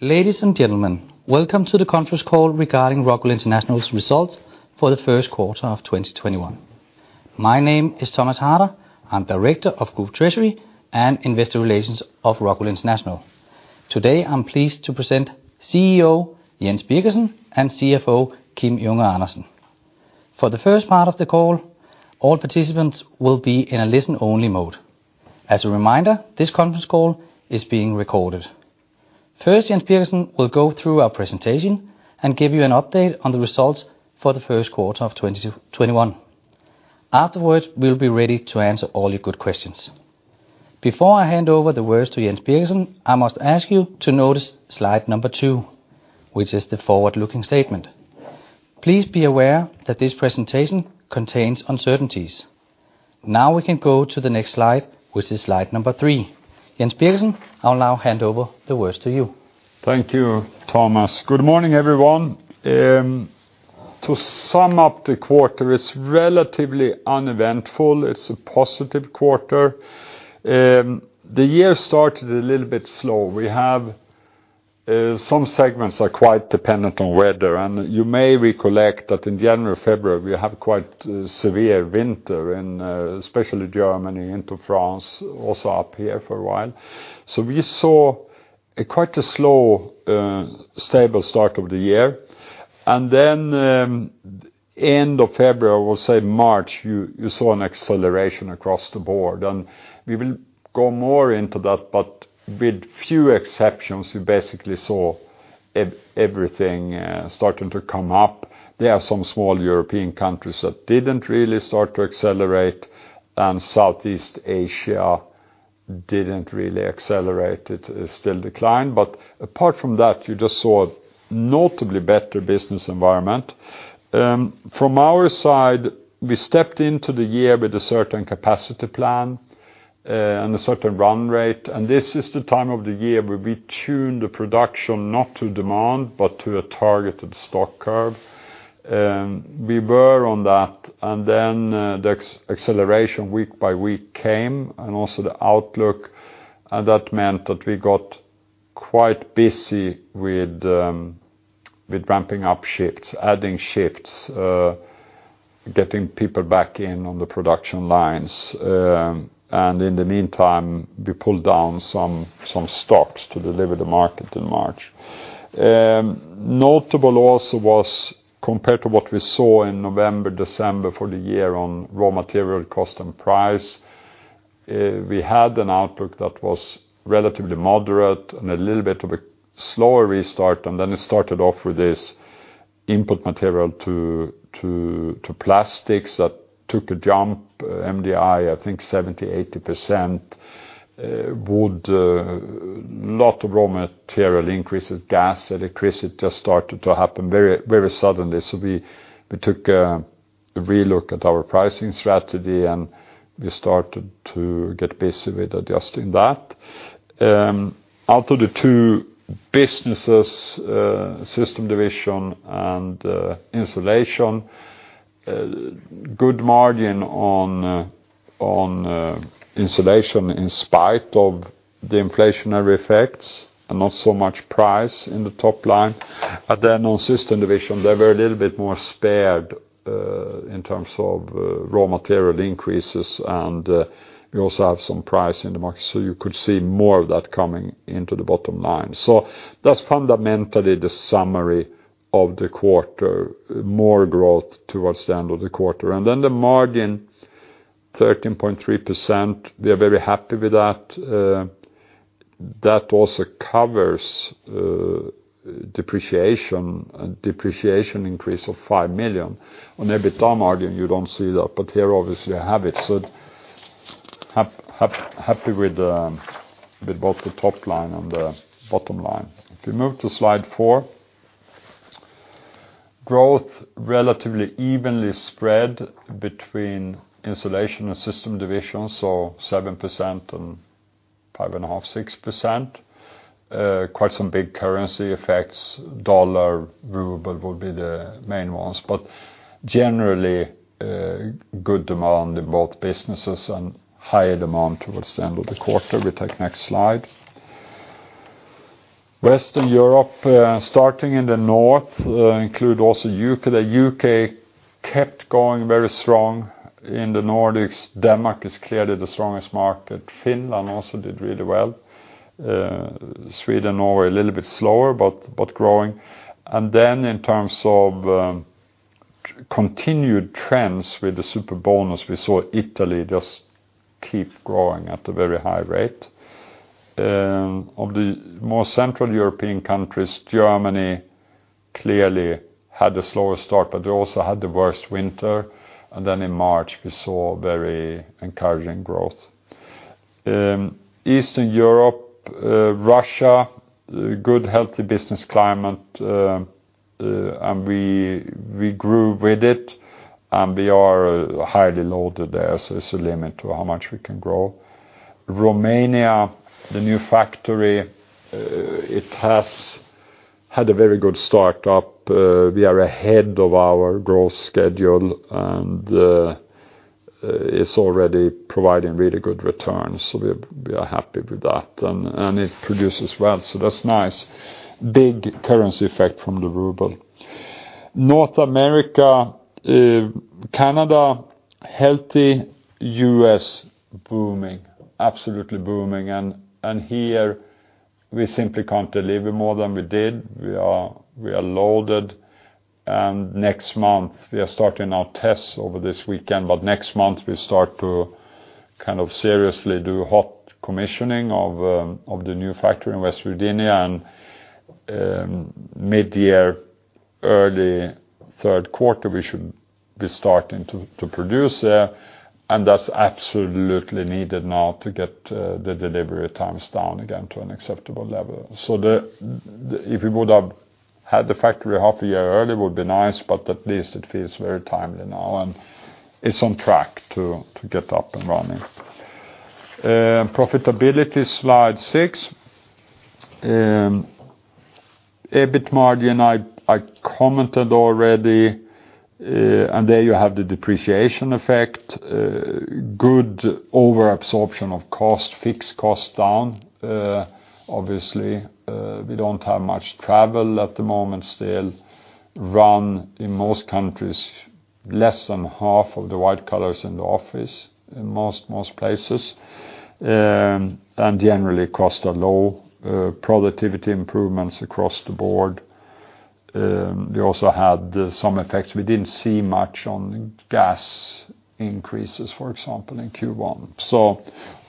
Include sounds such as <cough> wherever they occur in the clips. Ladies and gentlemen, welcome to the conference call regarding Rockwool International's results for the first quarter of 2021. My name is Thomas Harder, I'm Director of Group Treasury and Investor Relations of ROCKWOOL International. Today, I'm pleased to present CEO Jens Birgersson and CFO Kim Junge Andersen. For the first part of the call, all participants will be in a listen-only mode. As a reminder, this conference call is being recorded. First, Jens Birgersson will go through our presentation and give you an update on the results for the first quarter of 2021. Afterwards, we'll be ready to answer all your good questions. Before I hand over the words to Jens Birgersson, I must ask you to notice slide number two, which is the forward-looking statement. Please be aware that this presentation contains uncertainties. We can go to the next slide, which is slide number three. Jens Birgersson, I'll now hand over the words to you. Thank you, Thomas. Good morning, everyone. To sum up the quarter, it's relatively uneventful. It's a positive quarter. The year started a little bit slow. Some segments are quite dependent on weather. You may recollect that in January, February, we had quite severe winter in especially Germany into France, also up here for a while. We saw quite a slow, stable start of the year. End of February, I would say March, you saw an acceleration across the board, and we will go more into that, but with few exceptions, we basically saw everything starting to come up. There are some small European countries that didn't really start to accelerate, and Southeast Asia didn't really accelerate. It still declined, but apart from that, you just saw a notably better business environment. From our side, we stepped into the year with a certain capacity plan and a certain run rate. This is the time of the year where we tune the production not to demand, but to a targeted stock curve. We were on that. Then the acceleration week by week came, also the outlook. That meant that we got quite busy with ramping up shifts, adding shifts, getting people back in on the production lines. In the meantime, we pulled down some stocks to deliver the market in March. Notable also was compared to what we saw in November, December for the year on raw material cost and price, we had an outlook that was relatively moderate and a little bit of a slower restart. It started off with this input material to plastics that took a jump, MDI, I think 70%-80%, wood, a lot of raw material increases, gas increases just started to happen very suddenly. We took a relook at our pricing strategy. We started to get busy with adjusting that. Out of the two businesses, Systems division and Insulation, good margin on Insulation in spite of the inflationary effects and not so much price in the top line. On Systems division, they were a little bit more spared in terms of raw material increases, and we also have some price in the market, so you could see more of that coming into the bottom line. That's fundamentally the summary of the quarter, more growth towards the end of the quarter. The margin, 13.3%, we are very happy with that. That also covers depreciation increase of 5 million. On EBITDA margin, you don't see that, but here, obviously, you have it. Happy with both the top line and the bottom line. If you move to slide four. Growth relatively evenly spread between Insulation and Systems division, 7% and 5.5%, 6%. Quite some big currency effects. Dollar, ruble would be the main ones. Generally, good demand in both businesses and higher demand towards the end of the quarter. We take next slide. Western Europe, starting in the north include also U.K. The U.K. kept going very strong. In the Nordics, Denmark is clearly the strongest market. Finland also did really well. Sweden, Norway, a little bit slower, but growing. In terms of continued trends with the Superbonus, we saw Italy just keep growing at a very high rate. Of the more central European countries, Germany clearly had a slower start, but they also had the worst winter. In March, we saw very encouraging growth. Eastern Europe, Russia, good, healthy business climate, and we grew with it, and we are highly loaded there, so there's a limit to how much we can grow. Romania, the new factory, it has had a very good start up. We are ahead of our growth schedule, and it's already providing really good returns. We are happy with that, and it produces well. That's nice. Big currency effect from the ruble. North America, Canada, healthy U.S., booming. Absolutely booming. Here, we simply can't deliver more than we did. We are loaded, and next month we are starting our tests over this weekend. Next month, we start to seriously do hot commissioning of the new factory in West Virginia. Mid-year, early third quarter, we should be starting to produce there, and that's absolutely needed now to get the delivery times down again to an acceptable level. If we would have had the factory half a year early, would be nice, but at least it feels very timely now, and it's on track to get up and running. Profitability, slide six. EBIT margin, I commented already, and there you have the depreciation effect. Good over absorption of cost, fixed cost down. Obviously, we don't have much travel at the moment still, run in most countries, less than half of the white-collars in the office in most places, and generally costs are low, productivity improvements across the board. They also had some effects. We didn't see much on gas increases, for example, in Q1.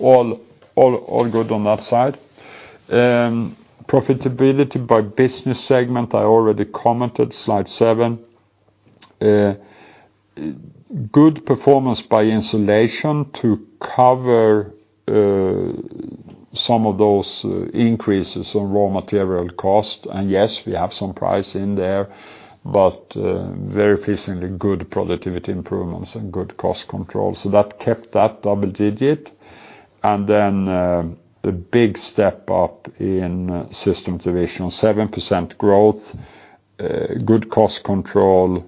All good on that side. Profitability by business segment, I already commented, slide seven. Good performance by Insulation to cover some of those increases on raw material costs. Yes, we have some price in there, but very pleasingly, good productivity improvements and good cost control. That kept that double-digit. The big step up in Systems division, 7% growth, good cost control,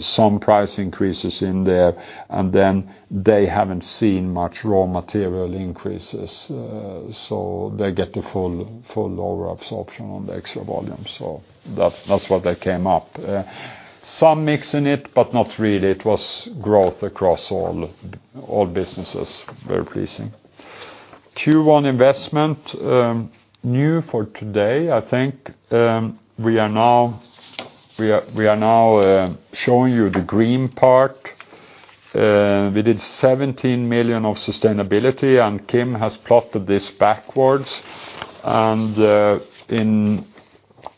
some price increases in there, and then they haven't seen much raw material increases. They get the full lower absorption on the extra volume. That's why they came up. Some mix in it, but not really. It was growth across all businesses. Very pleasing. Q1 investment, new for today, I think. We are now showing you the green part. We did 17 million of sustainability, Kim has plotted this backwards. In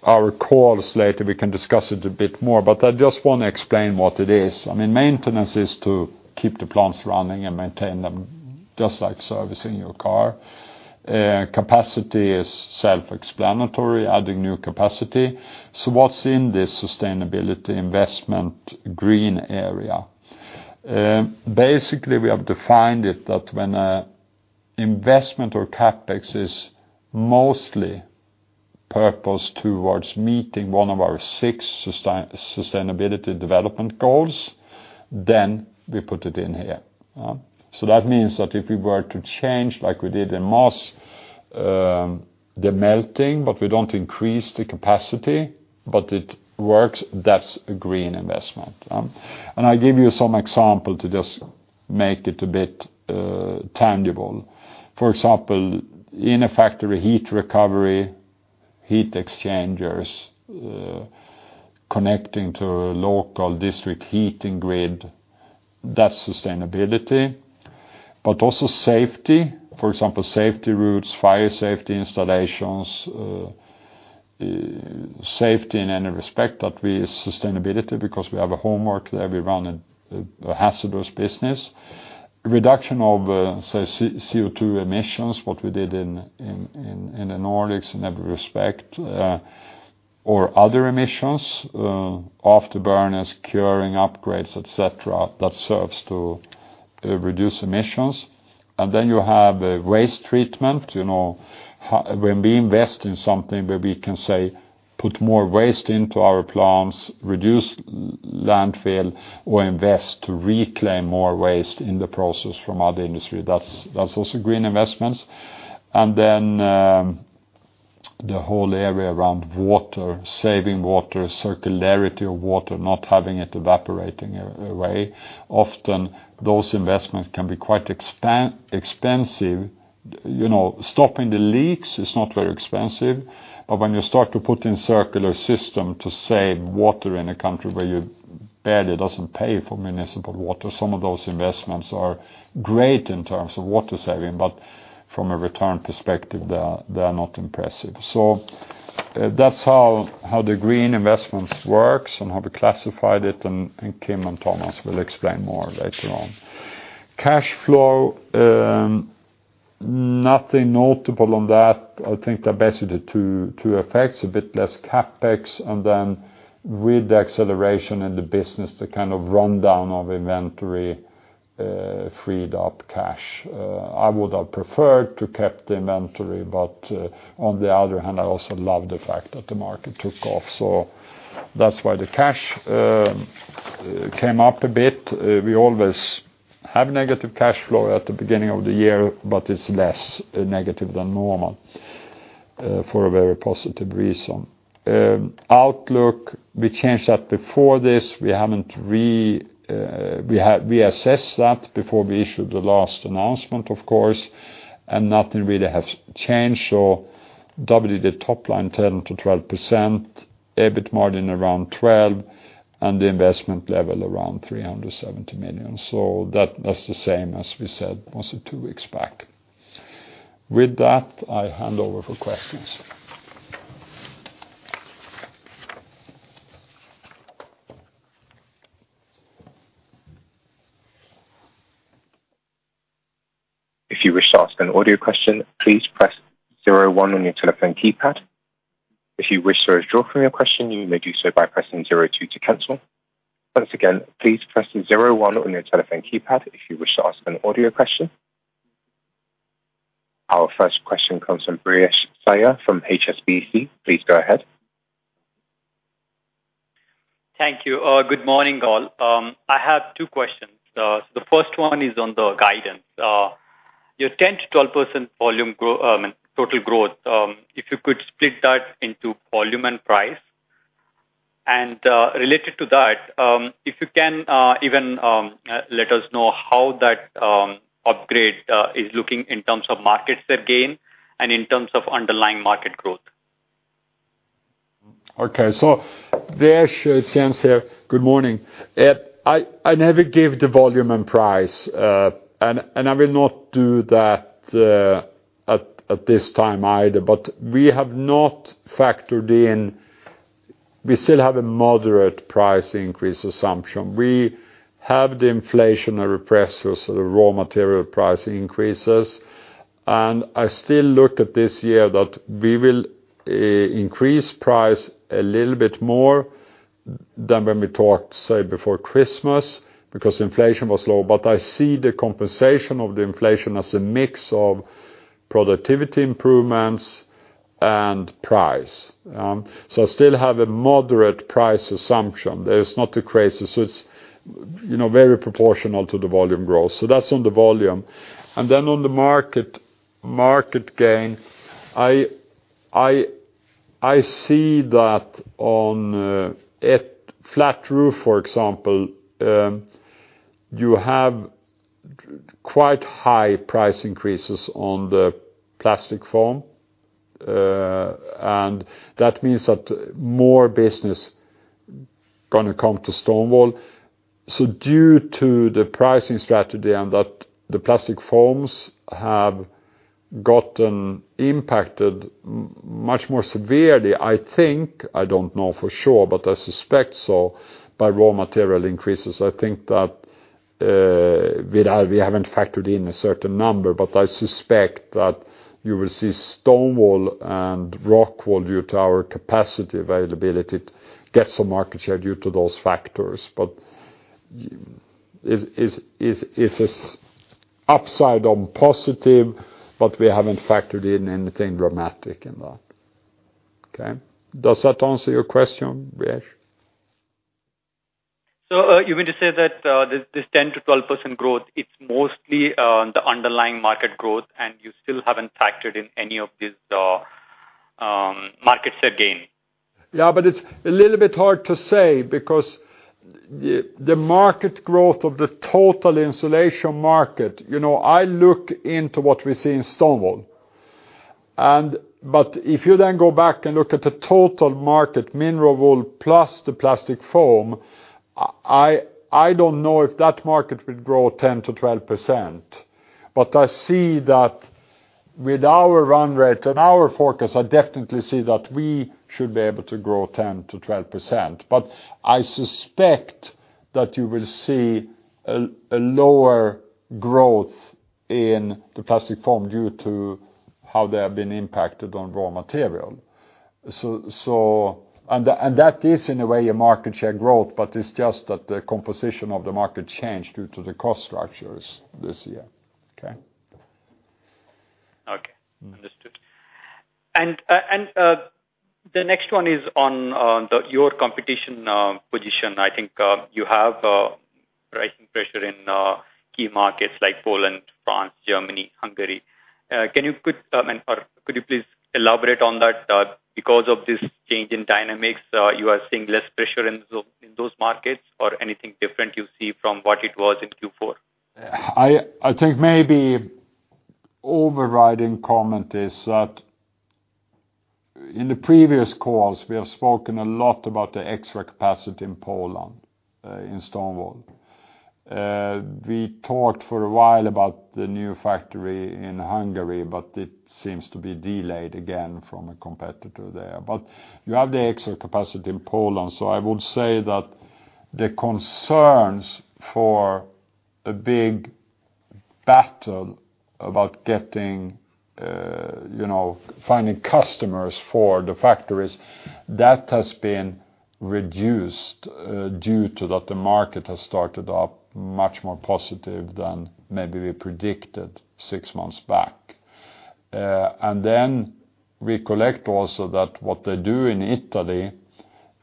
our calls later, we can discuss it a bit more. I just want to explain what it is. Maintenance is to keep the plants running and maintain them, just like servicing your car. Capacity is self-explanatory, adding new capacity. What's in this sustainability investment green area? Basically, we have defined it that when a investment or CapEx is mostly purposed towards meeting one of our six sustainability development goals, then we put it in here. That means that if we were to change like we did in Moss, the melting, but we don't increase the capacity, but it works, that's a green investment. I give you some example to just make it a bit tangible. In a factory heat recovery, heat exchangers, connecting to a local district heating grid, that's sustainability. Also safety. Safety routes, fire safety installations, safety in any respect that we sustainability because we have a homework there, we run a hazardous business. Reduction of, say, CO2 emissions, what we did in the Nordics in every respect, or other emissions, afterburners, curing upgrades, et cetera, that serves to reduce emissions. You have waste treatment. When we invest in something where we can say, put more waste into our plants, reduce landfill, or invest to reclaim more waste in the process from other industry, that's also green investments. The whole area around water, saving water, circularity of water, not having it evaporating away. Often those investments can be quite expensive. Stopping the leaks is not very expensive, but when you start to put in circular system to save water in a country where you barely doesn't pay for municipal water, some of those investments are great in terms of water saving, but from a return perspective, they're not impressive. That's how the green investments works and how we classified it, and Kim and Thomas will explain more later on. Cash flow, nothing notable on that. I think they're basically the two effects, a bit less CapEx, then with the acceleration in the business, the kind of rundown of inventory freed up cash. I would have preferred to keep the inventory, on the other hand, I also love the fact that the market took off. That's why the cash came up a bit. We always have negative cash flow at the beginning of the year, but it's less negative than normal for a very positive reason. Outlook, we changed that before this. We assessed that before we issued the last announcement, of course, nothing really has changed. The top line 10%-12%, EBIT margin around 12%, and the investment level around 370 million. That's the same as we said mostly two weeks back. With that, I hand over for questions. If you wish to ask an audio question, please press zero one on your telephone keypad. If you wish to withdraw from your question, you may do so by pressing zero two to cancel. Once again, please press zero one on your telephone keypad if you wish to ask an audio question. Our first question comes from Brijesh Siya from HSBC. Please go ahead. Thank you. Good morning, all. I have two questions. The first one is on the guidance. Your 10%-12% total growth, if you could split that into volume and price. Related to that, if you can even let us know how that upgrade is looking in terms of market share gain and in terms of underlying market growth. Okay. Brijesh it's Jens here, good morning. I never gave the volume and price, and I will not do that at this time either. We have not factored in. We still have a moderate price increase assumption. We have the inflationary pressures, so the raw material price increases. I still look at this year that we will increase price a little bit more than when we talked, say, before Christmas, because inflation was low. I see the compensation of the inflation as a mix of productivity improvements and price. I still have a moderate price assumption. It's not crazy. It's very proportional to the volume growth. That's on the volume. On the market gain, I see that on flat roof, for example, you have quite high price increases on the plastic foam. That means that more business going to come to stone wool. Due to the pricing strategy and that the plastic foams have gotten impacted much more severely, I think, I don't know for sure, but I suspect so, by raw material increases. I think that we haven't factored in a certain number, but I suspect that you will see stone wool and rock wool, due to our capacity availability, get some market share due to those factors. It's upside on positive, but we haven't factored in anything dramatic in that. Okay? Does that answer your question, Brijesh? You would just say that this 10%-12% growth, it's mostly the underlying market growth, and you still haven't factored in any of this market share gain? It's a little bit hard to say because the market growth of the total insulation market, I look into what we see in stone wool. If you then go back and look at the total market, mineral wool plus the plastic foam, I don't know if that market will grow 10%-12%. I see that with our run rate and our forecast, I definitely see that we should be able to grow 10%-12%. I suspect that you will see a lower growth in the plastic foam due to how they have been impacted on raw material. That is, in a way, a market share growth, but it's just that the composition of the market changed due to the cost structures this year. Okay? Okay. Understood. The next one is on your competition position. I think you have pricing pressure in key markets like Poland, France, Germany, Hungary. Could you please elaborate on that? Because of this change in dynamics, you are seeing less pressure in those markets or anything different you see from what it was in Q4? I think maybe overriding comment is that in the previous calls, we have spoken a lot about the extra capacity in Poland, in stone wool. We talked for a while about the new factory in Hungary, it seems to be delayed again from a competitor there. You have the extra capacity in Poland. I would say that the concerns for a big battle about finding customers for the factories, that has been reduced due to that the market has started up much more positive than maybe we predicted six months back. We collect also that what they do in Italy,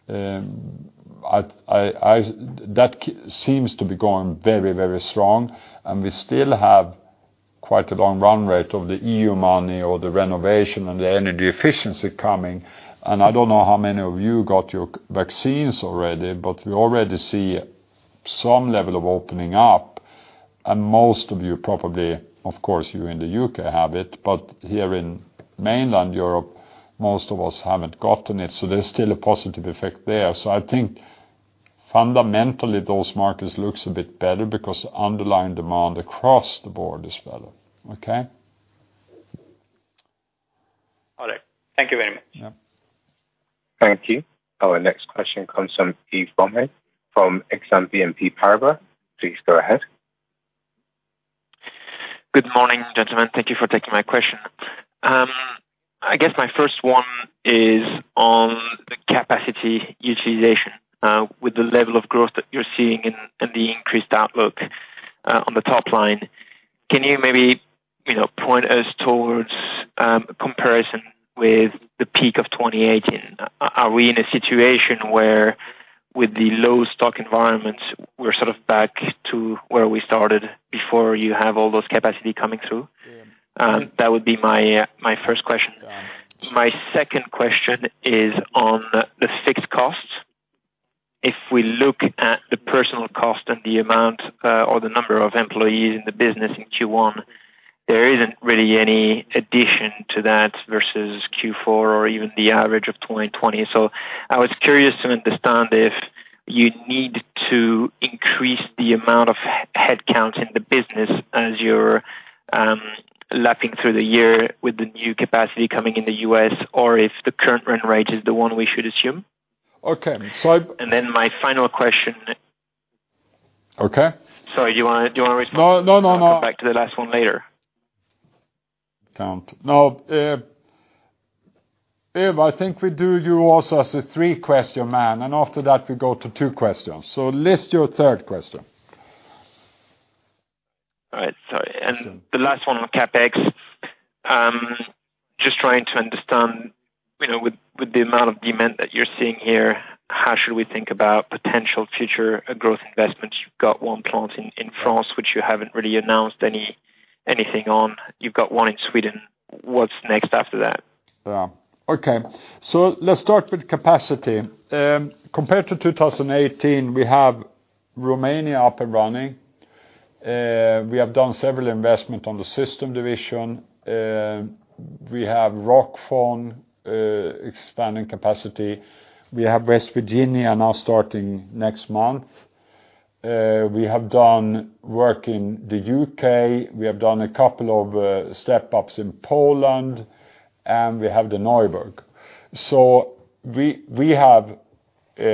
that seems to be going very, very strong, and we still have quite a long run rate of the EU money or the renovation and the energy efficiency coming. I don't know how many of you got your vaccines already, but we already see some level of opening up, and most of you probably, of course, you in the U.K. have it, but here in mainland Europe, most of us haven't gotten it, so there's still a positive effect there. I think fundamentally those markets look a bit better because underlying demand across the board is better. Okay? Okay. Thank you very much. Yeah. Thank you. Our next question comes from Yves Bromehead from Exane BNP Paribas. Please go ahead. Good morning, gentlemen. Thank you for taking my question. I guess my first one is on the capacity utilization. With the level of growth that you're seeing in the increased outlook on the top line, can you maybe point us towards a comparison with the peak of 2018? Are we in a situation where with the low stock environments, we're sort of back to where we started before you have all those capacity coming through? That would be my first question. My second question is on the fixed costs. If we look at the personnel cost and the amount or the number of employees in the business in Q1, there isn't really any addition to that versus Q4 or even the average of 2020. I was curious to understand if you need to increase the amount of headcount in the business as you're lapping through the year with the new capacity coming in the U.S., or if the current run rate is the one we should assume. Okay. My final question- Okay. Sorry- No, no. You wanna come back to the last one later? No. Yves, I think we do you also as a three-question man. After that, we go to two questions. List your third question. All right, sorry. The last one on CapEx. Just trying to understand, with the amount of demand that you're seeing here, how should we think about potential future growth investments? You've got one plant in France, which you haven't really announced anything on. You've got one in Sweden. What's next after that? Yeah. Okay. Let's start with capacity. Compared to 2018, we have Romania up and running. We have done several investments on the Systems division. We have Rockfon expanding capacity. We have West Virginia now starting next month. We have done work in the U.K. We have done a couple of step-ups in Poland, and we have the Neuburg. We have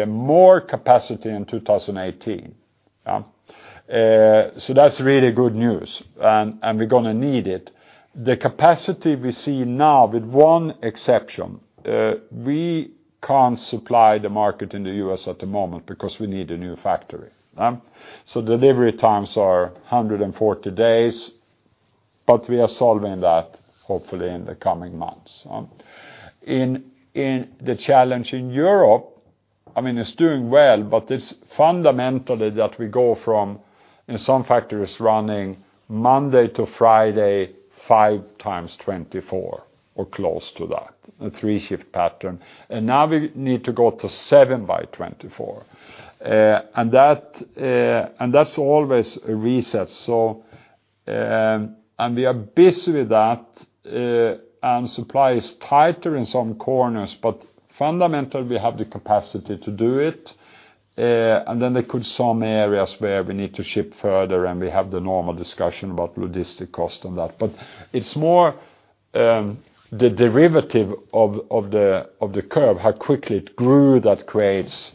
more capacity in 2018. That's really good news, and we're going to need it. The capacity we see now, with one exception, we can't supply the market in the U.S. at the moment because we need a new factory. Delivery times are 140 days, but we are solving that hopefully in the coming months. The challenge in Europe, it's doing well, but it's fundamentally that we go from, in some factories running Monday to Friday, 5x24 or close to that, a three-shift pattern. Now we need to go to 7x24. That's always a reset. We are busy with that, and supply is tighter in some corners, but fundamentally, we have the capacity to do it. Then there could some areas where we need to ship further, and we have the normal discussion about logistic cost on that. It's more the derivative of the curve, how quickly it grew that creates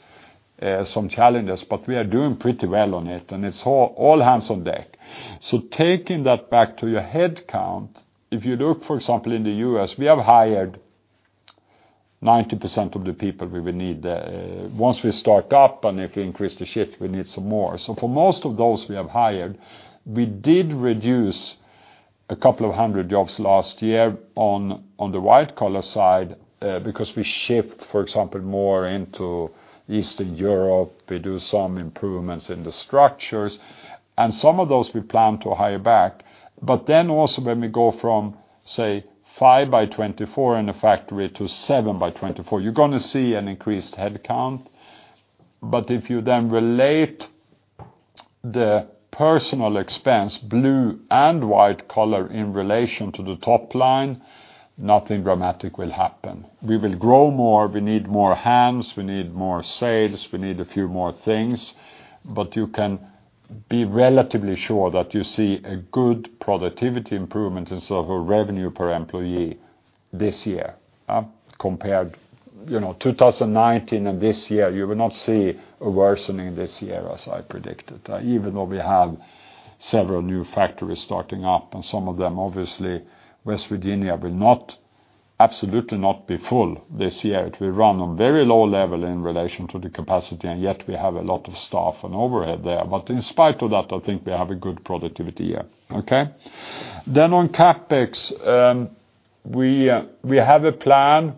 some challenges, but we are doing pretty well on it, and it's all hands on deck. Taking that back to your headcount, if you look, for example, in the U.S., we have hired 90% of the people we will need. Once we start up and if we increase the shift, we need some more. For most of those we have hired, we did reduce a couple of hundred jobs last year on the white-collar side because we shift, for example, more into Eastern Europe. We do some improvements in the structures, some of those we plan to hire back. Also when we go from, say, 5x24 in a factory to 7x24, you're going to see an increased headcount. If you then relate the personnel expense, blue and white collar in relation to the top line, nothing dramatic will happen. We will grow more, we need more hands, we need more sales, we need a few more things, but you can be relatively sure that you see a good productivity improvement in sort of a revenue per employee. This year compared 2019 and this year, you will not see a worsening this year as I predicted. Even though we have several new factories starting up, some of them, obviously West Virginia, will absolutely not be full this year. We run on very low level in relation to the capacity, yet we have a lot of staff and overhead there. In spite of that, I think we have a good productivity year. Okay? On CapEx, we have a plan,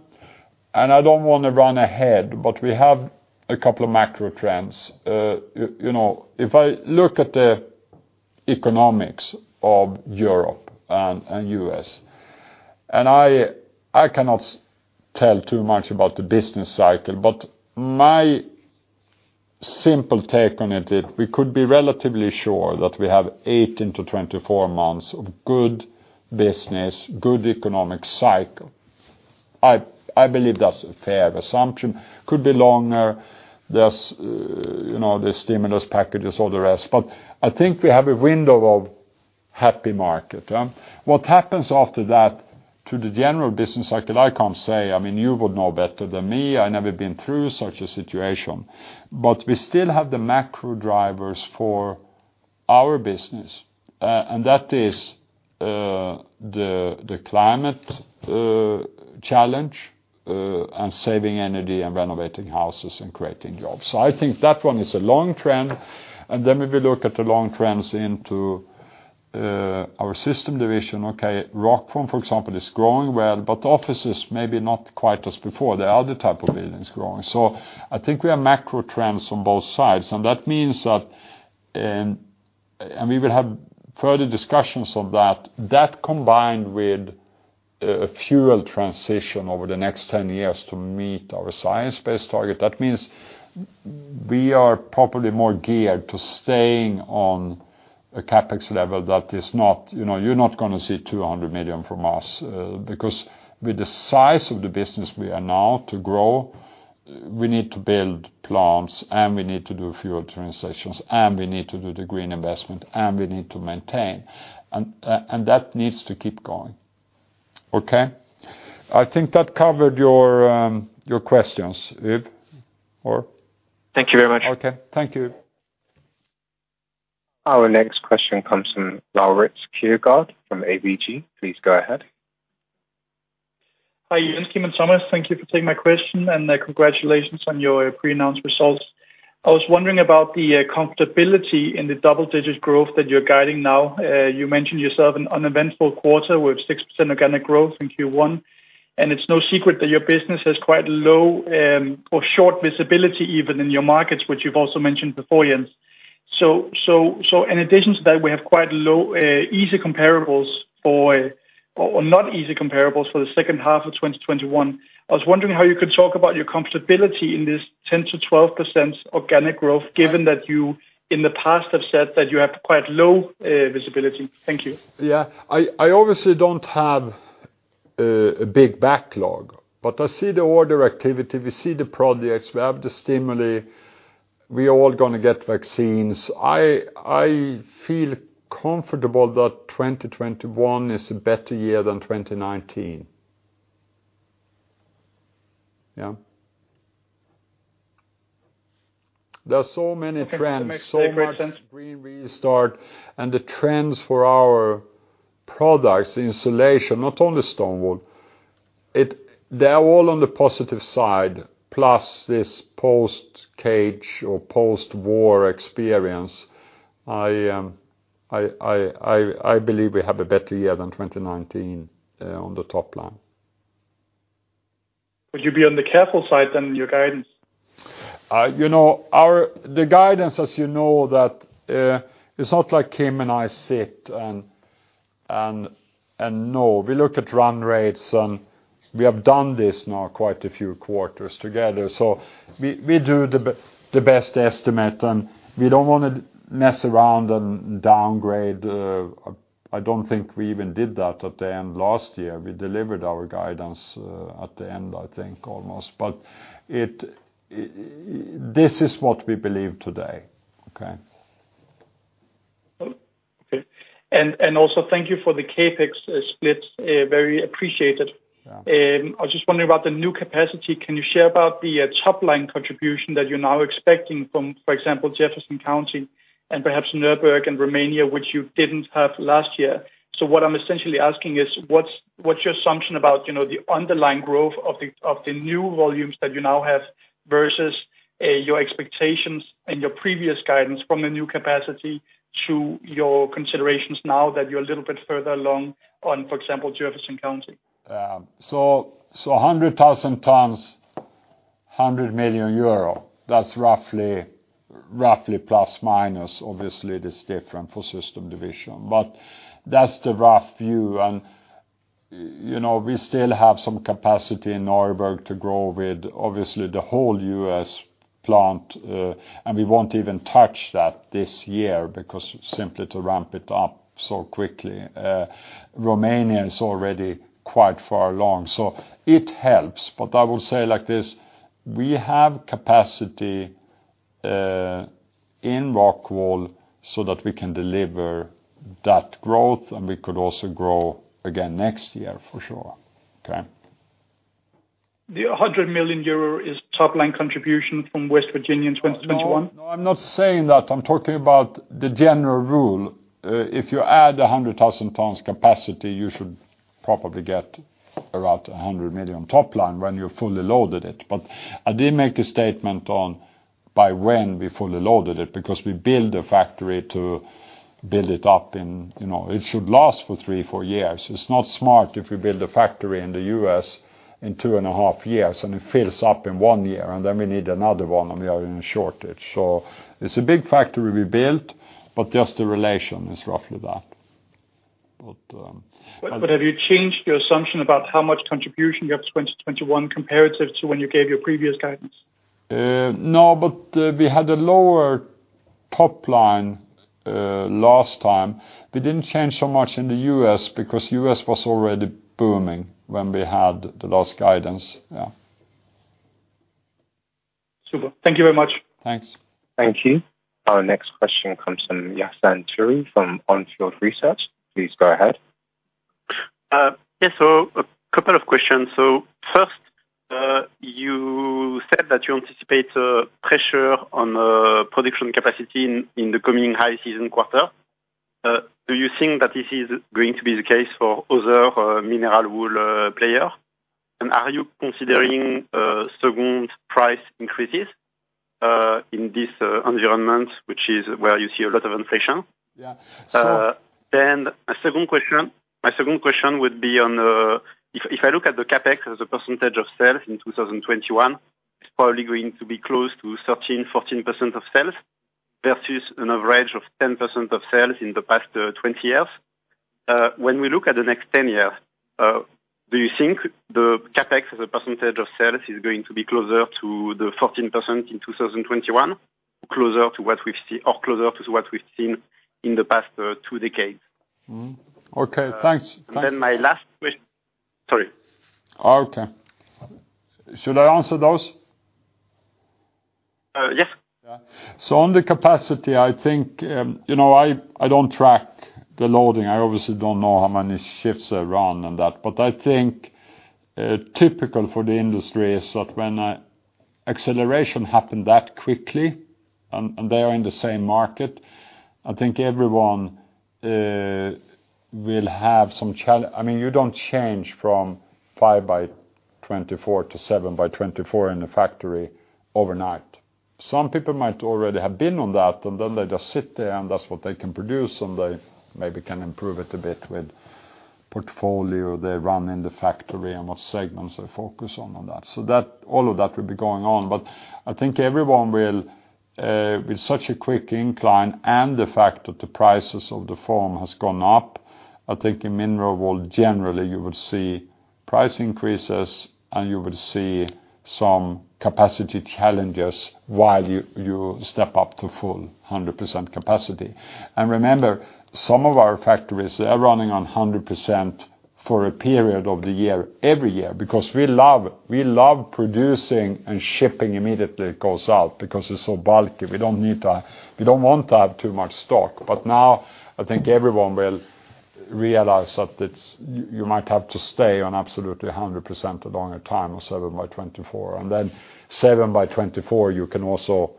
I don't want to run ahead, we have a couple of macro trends. If I look at the economics of Europe and U.S., I cannot tell too much about the business cycle, my simple take on it is we could be relatively sure that we have 18-24 months of good business, good economic cycle. I believe that's a fair assumption. Could be longer. There's the stimulus packages, all the rest. I think we have a window of happy market. What happens after that to the general business cycle, I can't say. You will know better than me. I've never been through such a situation. We still have the macro drivers for our business, and that is the climate challenge, and saving energy, and renovating houses, and creating jobs. I think that one is a long trend. We look at the long trends into our Systems division. Rockfon, for example, is growing well, but offices maybe not quite as before. The other type of it is growing. I think we have macro trends on both sides, and that means that we will have further discussions on that. That combined with a fuel transition over the next 10 years to meet our science-based target. That means we are probably more geared to staying on a CapEx level that you're not going to see 200 million from us. With the size of the business we are now to grow, we need to build plants, and we need to do fuel transitions, and we need to do the green investment, and we need to maintain. That needs to keep going. Okay? I think that covered your questions, Yves. Thank you very much. Okay. Thank you. Our next question comes from Laurits Kjaergaard from ABG. Please go ahead. Hi, Jens, Kim, and Thomas. Thank you for taking my question, and congratulations on your preannounced results. I was wondering about the comfortability in the double-digit growth that you're guiding now. You mentioned yourself an uneventful quarter with 6% organic growth in Q1. It's no secret that your business has quite low or short visibility even in your markets, which you've also mentioned before, Jens. In addition to that, we have quite low easy comparables for, or not easy comparables for the second half of 2021. I was wondering how you could talk about your comfortability in this 10%-12% organic growth, given that you in the past have said that you have quite low visibility. Thank you. Yeah. I obviously don't have a big backlog, but I see the order activity, we see the projects, we have the stimuli, we are all going to get vaccines. I feel comfortable that 2021 is a better year than 2019. Yeah. There are so many trends- Okay. Thanks very much.... much green restart and the trends for our products, insulation, not only stone wool, they're all on the positive side, plus this post-cage or post-war experience. I believe we have a better year than 2019 on the top line. Would you be on the careful side then in your guidance? The guidance, as you know that it's not like Kim and I sit and know. We look at run rates, and we have done this now quite a few quarters together. We do the best estimate, and we don't want to mess around and downgrade. I don't think we even did that at the end of last year. We delivered our guidance at the end, I think, almost. This is what we believe today. Okay? Also thank you for the CapEx split. Very appreciated. Yeah. I was just wondering about the new capacity. Can you share about the top-line contribution that you're now expecting from, for example, Jefferson County and perhaps Neuburg and Romania, which you didn't have last year? What I'm essentially asking is, what's your assumption about the underlying growth of the new volumes that you now have versus your expectations and your previous guidance from the new capacity to your considerations now that you're a little bit further along on, for example, Jefferson County? 100,000 tons, 100 million euro. That's roughly plus/minus. Obviously, it is different for Systems division. That's the rough view. We still have some capacity in Neuburg to grow with, obviously, the whole U.S. plant, and we won't even touch that this year because simply to ramp it up so quickly. Romania is already quite far along. It helps. I would say like this, we have capacity in ROCKWOOL so that we can deliver that growth, and we could also grow again next year for sure. The 100 million euro is top-line contribution from West Virginia in 2021? No, I'm not saying that. I'm talking about the general rule. If you add 100,000 tons capacity, you should probably get around 100 million top line when you're fully loaded it. I did make a statement on by when we fully loaded it, because we build a factory to build it up, and it should last for three, four years. It's not smart if you build a factory in the U.S. in two and a half years, and it fills up in one year, and then we need another one, and we are in a shortage. It's a big factory we built, but just the relation is roughly that. Have you changed your assumption about how much contribution you have 2021 comparative to when you gave your previous guidance? No, but we had a lower top line last time. We didn't change so much in the U.S. because the U.S. was already booming when we had the last guidance. Yeah. Super. Thank you very much. Thanks. Thank you. Our next question comes from Yassine Touahri from On Field Research. Please go ahead. A couple of questions. First, you said that you anticipate a pressure on production capacity in the coming high season quarter. Do you think that this is going to be the case for other mineral wool players? Are you considering second price increases in this environment, which is where you see a lot of inflation? Yeah. My second question would be on the, if I look at the CapEx as a percentage of sales in 2021, it's probably going to be close to 13%-14% of sales versus an average of 10% of sales in the past 20 years. When we look at the next 10 years, do you think the CapEx as a percentage of sales is going to be closer to the 14% in 2021 or closer to what we've seen in the past two decades? Okay, thanks. My last question. Sorry. Okay. Should I answer those? Yeah. On the capacity, I don't track the loading. I obviously don't know how many shifts I run on that. I think typical for the industry is that when acceleration happened that quickly and they are in the same market, I think everyone will have some challenge. You don't change from 5x24 to 7x24 in a factory overnight. Some people might already have been on that, and then they just sit there and that's what they can produce, and they maybe can improve it a bit with portfolio they run in the factory and what segments they focus on that. All of that will be going on. I think everyone will, with such a quick incline and the fact that the prices of the foam has gone up, I think in mineral wool generally, you will see price increases, and you will see some capacity challenges while you step up to full 100% capacity. Remember, some of our factories are running on 100% for a period of the year every year because we love producing and shipping immediately it goes out because it's so bulky. We don't want to have too much stock. Now I think everyone will realize that you might have to stay on absolutely 100% a longer time of 7x24. Then 7x24, you can also,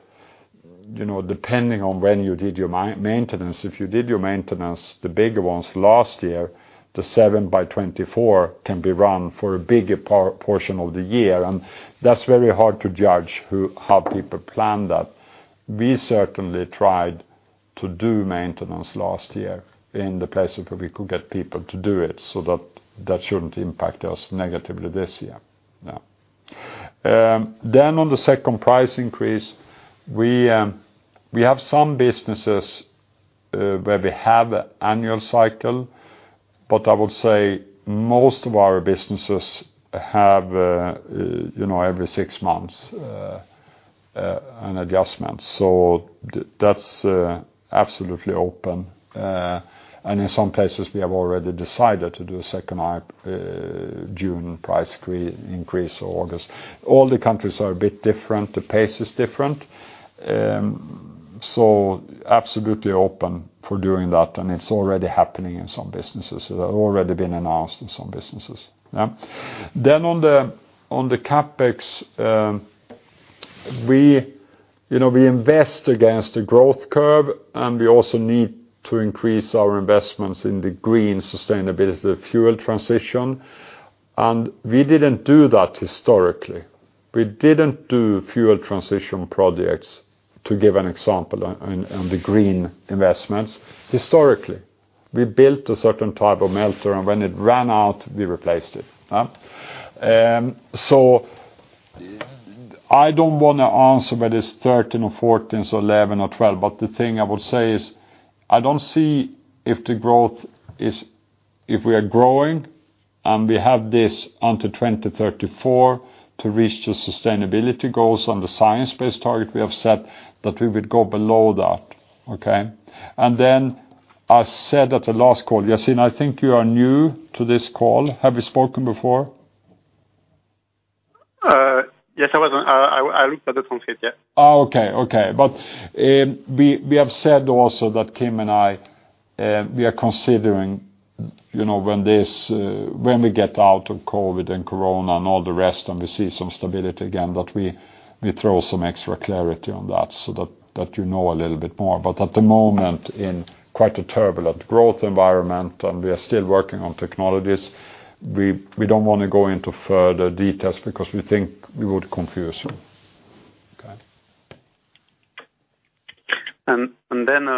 depending on when you did your maintenance, if you did your maintenance, the bigger ones last year, the 7x24 can be run for a bigger portion of the year. That's very hard to judge how people plan that. We certainly tried to do maintenance last year in the places where we could get people to do it so that shouldn't impact us negatively this year. On the second price increase, we have some businesses where we have annual cycle, but I would say most of our businesses have every six months an adjustment. That's absolutely open. In some places, we have already decided to do a second June price increase or August. All the countries are a bit different. The pace is different. Absolutely open for doing that, and it's already happening in some businesses. It has already been announced in some businesses. On the CapEx, we invest against the growth curve, and we also need to increase our investments in the green sustainability fuel transition, and we didn't do that historically. We didn't do fuel transition projects, to give an example, and the green investments historically. We built a certain type of melter, and when it ran out, we replaced it. I don't want to answer whether it's 13 or 14 or 11 or 12, but the thing I would say is, I don't see if we are growing and we have this until 2034 to reach the sustainability goals and the science-based target we have set that we would go below that. Okay? I said at the last call, Yassine, I think you are new to this call. Have we spoken before? Yes, I wasn't <audio distortion> yet. Okay. We have said also that Kim and I, we are considering when we get out of COVID and corona and all the rest, and we see some stability again, that we throw some extra clarity on that so that you know a little bit more. At the moment, in quite a turbulent growth environment, and we are still working on technologies, we don't want to go into further details because we think we would confuse you. Okay.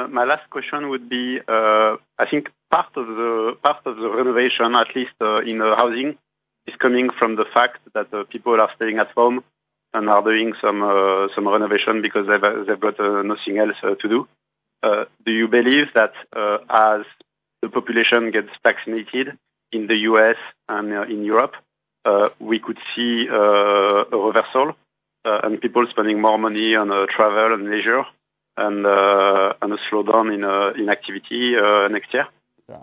My last question would be I think part of the renovation, at least in housing, is coming from the fact that people are staying at home and are doing some renovation because they've got nothing else to do. Do you believe that as the population gets vaccinated in the U.S. and in Europe, we could see a reversal and people spending more money on travel and leisure and a slowdown in activity next year? Yeah.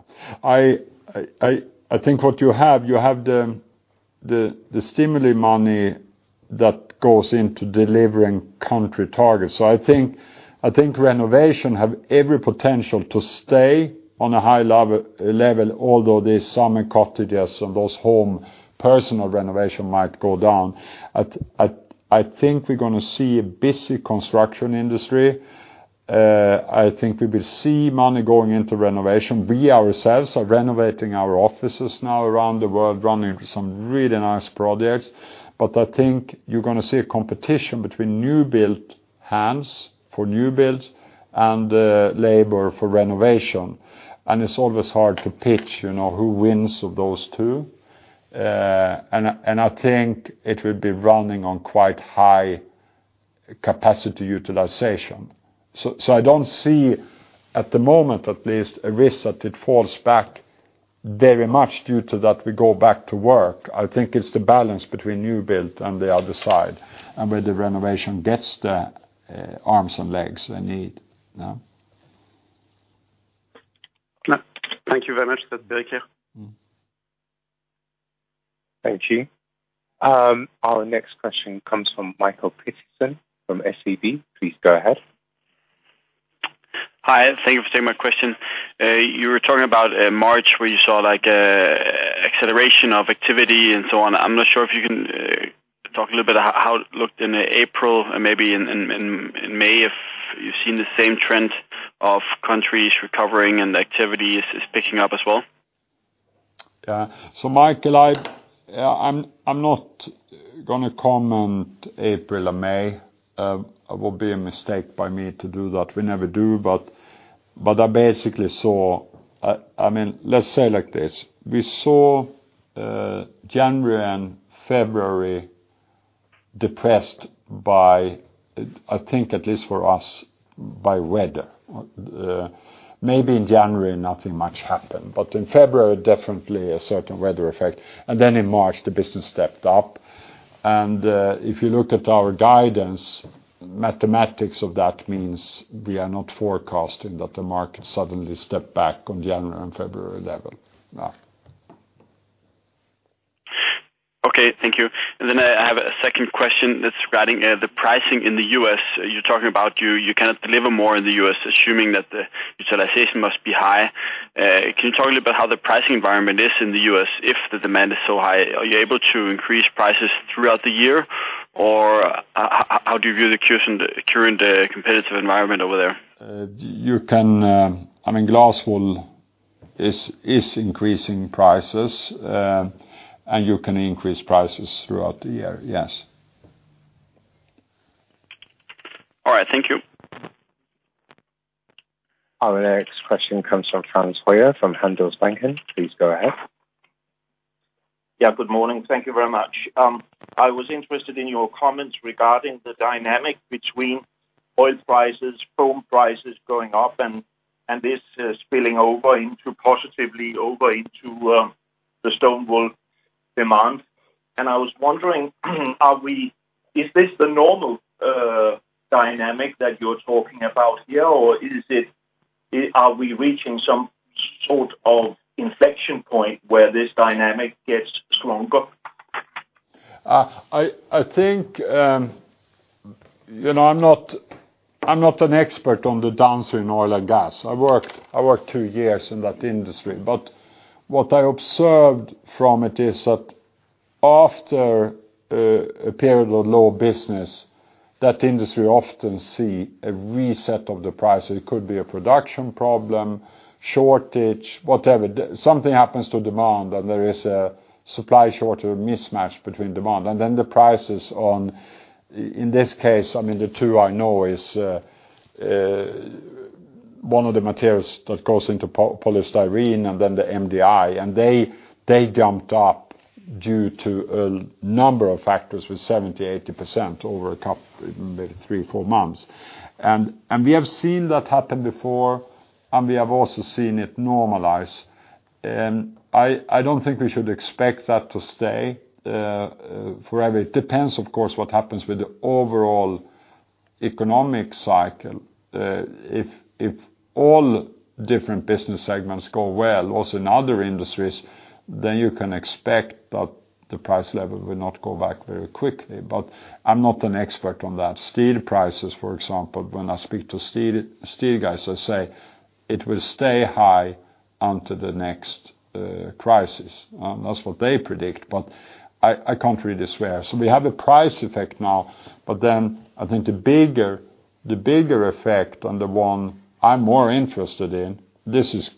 I think what you have, you have the stimuli money that goes into delivering country targets. I think renovation have every potential to stay on a high level, although there's some in cottages and those home personal renovation might go down. I think we're going to see a busy construction industry. I think we will see money going into renovation. We ourselves are renovating our offices now around the world, running into some really nice projects. I think you're going to see a competition between new build hands for new builds and labor for renovation. It's always hard to pitch who wins of those two. I think it will be running on quite high capacity utilization. I don't see at the moment, at least, a risk that it falls back very much due to that we go back to work. I think it's the balance between new build and the other side and whether renovation gets the arms and legs they need. Yeah. Yeah. Thank you very much. Take care. Thank you. Our next question comes from Mikael Petersen from SEB. Please go ahead. Hi, thank you for taking my question. You were talking about in March where you saw an acceleration of activity and so on. I'm not sure if you can talk a little bit how it looked in April and maybe in May, if you've seen the same trend of countries recovering and activities picking up as well. Mikael, I'm not going to comment April or May. It would be a mistake by me to do that. We never do, but I basically saw, let's say like this, we saw January and February depressed by, I think at least for us, by weather. Maybe in January nothing much happened, but in February, definitely a certain weather effect. In March the business stepped up. If you look at our guidance, mathematics of that means we are not forecasting that the market suddenly step back on January and February level. Okay. Thank you. I have a second question that's regarding the pricing in the U.S. You're talking about you can't deliver more in the U.S., assuming that the utilization must be high. Can you talk a bit about how the pricing environment is in the U.S. if the demand is so high? Are you able to increase prices throughout the year, or how do you view the current competitive environment over there? Glass wool is increasing prices, and you can increase prices throughout the year, yes. All right. Thank you. Our next question comes from Frans Hoyer from Handelsbanken. Please go ahead. Yeah, good morning. Thank you very much. I was interested in your comments regarding the dynamic between oil prices, foam prices going up, and this spilling positively over into the stone wool demand. I was wondering, is this the normal dynamic that you're talking about here, or are we reaching some sort of inflection point where this dynamic gets stronger? I think I'm not an expert on the dance in oil and gas. I worked two years in that industry, what I observed from it is that after a period of low business, that industry often see a reset of the price. It could be a production problem, shortage, whatever. Something happens to demand, there is a supply shortage or mismatch between demand. Then the prices on, in this case, the two I know is one of the materials that goes into polystyrene and then the MDI, they jumped up due to a number of factors with 70%-80% over maybe three-four months. We have seen that happen before, and we have also seen it normalize. I don't think we should expect that to stay forever. It depends, of course, what happens with the overall economic cycle, if all different business segments go well, also in other industries, then you can expect that the price level will not go back very quickly. I'm not an expert on that. Steel prices, for example, when I speak to steel guys, I say it will stay high until the next crisis. That's what they predict, but I can't read it this way. We have a price effect now, but then I think the bigger effect, and the one I'm more interested in, this is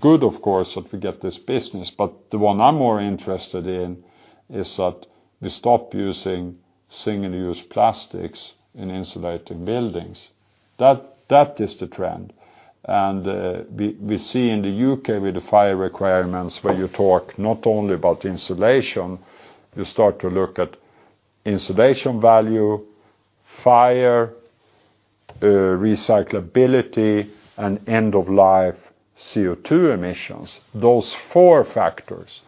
good, of course, that we get this business, but the one I'm more interested in is that we stop using single-use plastics in insulating buildings. That is the trend. We see in the U.K. with the fire requirements, where you talk not only about insulation, you start to look at insulation value, fire, recyclability, and end-of-life CO2 emissions. Those four factors,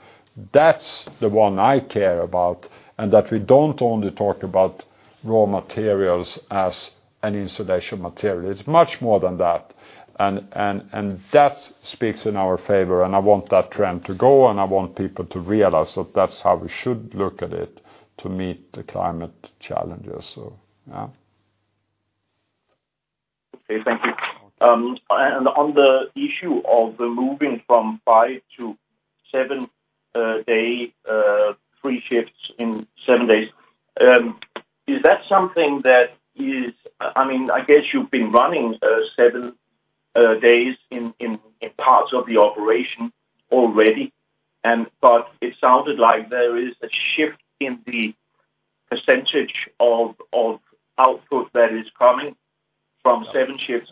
that's the one I care about, and that we don't only talk about raw materials as an insulation material. It's much more than that, and that speaks in our favor, and I want that trend to go, and I want people to realize that that's how we should look at it to meet the climate challenges. Yeah. Okay, thank you. On the issue of the moving from five to seven day, three shifts in seven days, is that something that I guess you've been running seven days in parts of the operation already, but it sounded like there is a shift in the percentage of output that is coming from seven shifts.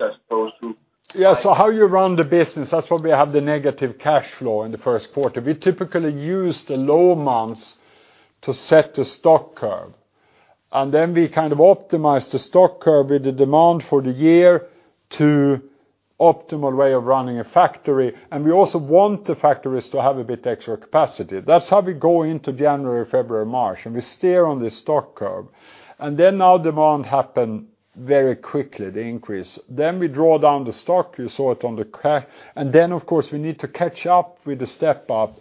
Yeah. How you run the business, that's why we have the negative cash flow in the first quarter. We typically use the low months to set the stock curve, and then we optimize the stock curve with the demand for the year to optimal way of running a factory. We also want the factories to have a bit extra capacity. That's how we go into January, February, March, and we steer on this stock curve. Our demand happen very quickly, the increase. We draw down the stock, you saw it on the cash. Of course, we need to catch up with the step-up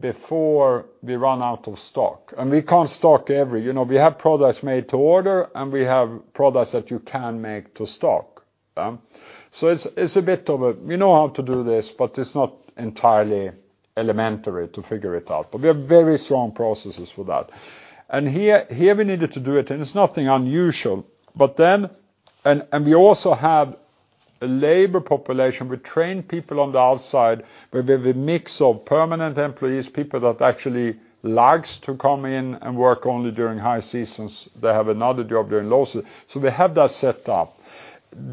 before we run out of stock. We can't stock. We have products made to order, and we have products that you can make to stock. We know how to do this, but it's not entirely elementary to figure it out. We have very strong processes for that. Here we needed to do it, and it's nothing unusual. We also have a labor population. We train people on the outside, but we have a mix of permanent employees, people that actually likes to come in and work only during high seasons. They have another job during low season. We have that set up.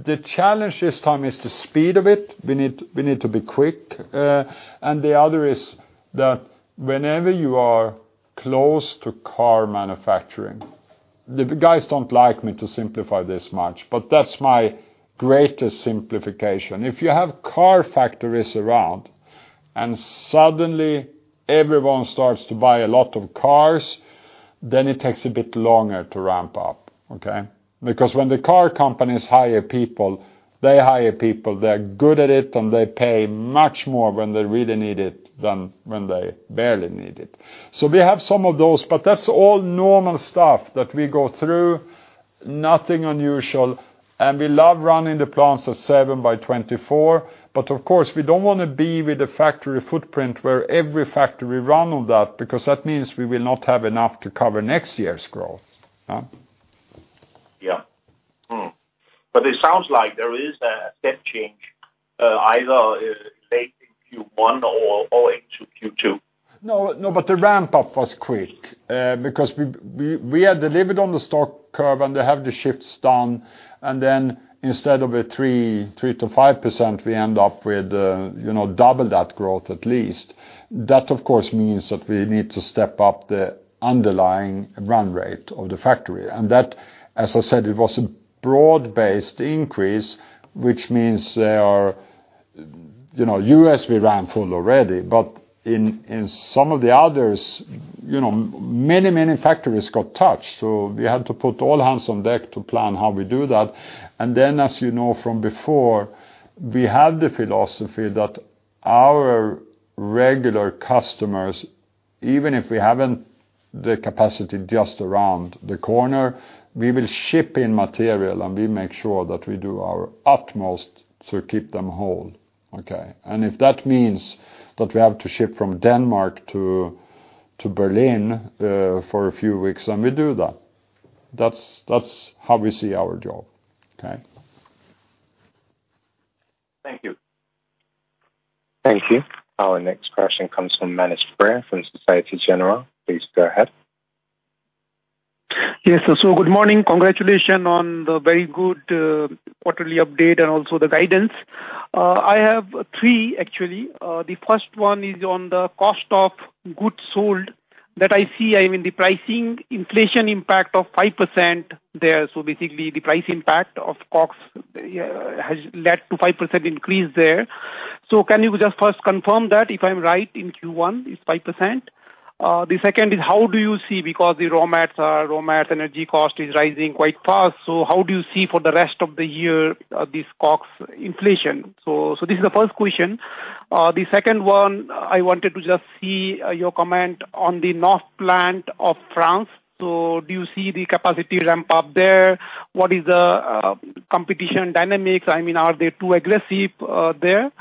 The challenge this time is the speed of it. We need to be quick. The other is that whenever you are close to car manufacturing, the guys don't like me to simplify this much, but that's my greatest simplification. If you have car factories around and suddenly everyone starts to buy a lot of cars, then it takes a bit longer to ramp up, okay? When the car companies hire people, they hire people, they're good at it, and they pay much more when they really need it than when they barely need it. We have some of those, but that's all normal stuff that we go through, nothing unusual, and we love running the plants at 7x24. Of course, we don't want to be with a factory footprint where every factory run on that, because that means we will not have enough to cover next year's growth. Yeah. It sounds like there is a step change, either late in Q1 or into Q2. No, the ramp-up was quick, because we had delivered on the stock curve and they have the shifts done, and then instead of a 3%-5%, we end up with double that growth at least. That, of course, means that we need to step up the underlying run rate of the factory. That, as I said, it was a broad-based increase, which means U.S., we ran full already. In some of the others, many factories got touched. We had to put all hands on deck to plan how we do that. Then, as you know from before, we had the philosophy that our regular customers, even if we haven't the capacity just around the corner, we will ship in material, and we make sure that we do our utmost to keep them whole. Okay? If that means that we have to ship from Denmark to Berlin for a few weeks, then we do that. That's how we see our job. Okay? Thank you. Thank you. Our next question comes from Manish Beria from Société Générale. Please go ahead. Yes, good morning. Congratulations on the very good quarterly update and also the guidance. I have three, actually. The first one is on the cost of goods sold that I see in the pricing inflation impact of 5% there. Basically, the price impact of COGS has led to 5% increase there. Can you just first confirm that if I'm right in Q1 is 5%? The second is how do you see, because the raw materials, energy cost is rising quite fast, so how do you see for the rest of the year, this COGS inflation? This is the first question. The second one I wanted to just see your comment on the north plant of France. Do you see the capacity ramp up there? What is the competition dynamics? Are they too aggressive there?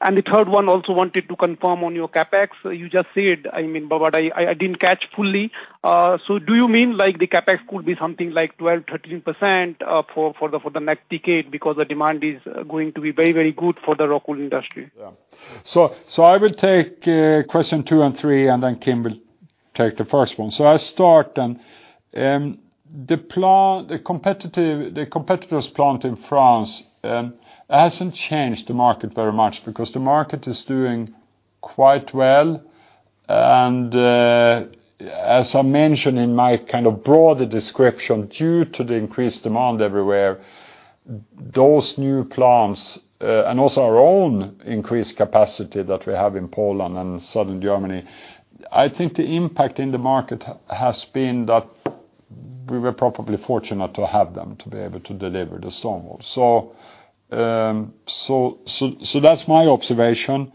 The third one also wanted to confirm on your CapEx. You just said, but I didn't catch fully. Do you mean the CapEx could be something like 12%-13% for the next decade because the demand is going to be very good for the rock wool industry? Yeah. I will take question two and three, Kim will take the first one. I start then. The competitor's plant in France hasn't changed the market very much because the market is doing quite well. As I mentioned in my broader description, due to the increased demand everywhere, those new plants, and also our own increased capacity that we have in Poland and Southern Germany, I think the impact in the market has been that we were probably fortunate to have them to be able to deliver the stone wool. That's my observation.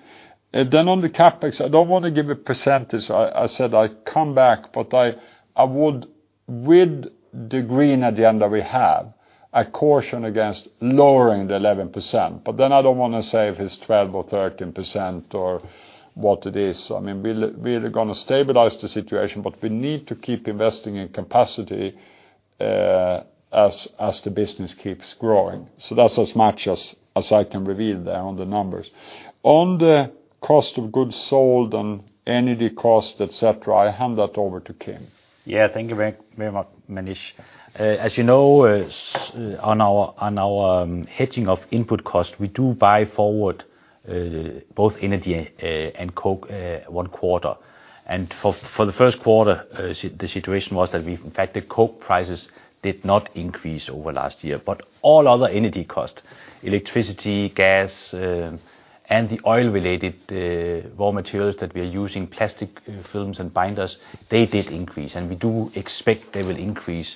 On the CapEx, I don't want to give a percentage. I said I'd come back. I would with the green agenda we have, I caution against lowering the 11%. I don't want to say if it's 12% or 13% or what it is. We're going to stabilize the situation. We need to keep investing in capacity as the business keeps growing. That's as much as I can reveal there on the numbers. On the cost of goods sold, on energy cost, et cetera, I hand that over to Kim. Yeah, thank you very much, Manish. As you know, on our hedging of input cost, we do buy forward, both energy and coke, one quarter. For the first quarter, the situation was that in fact, the coke prices did not increase over last year. All other energy cost, electricity, gas, and the oil-related raw materials that we are using, plastic films and binders, they did increase. We do expect they will increase,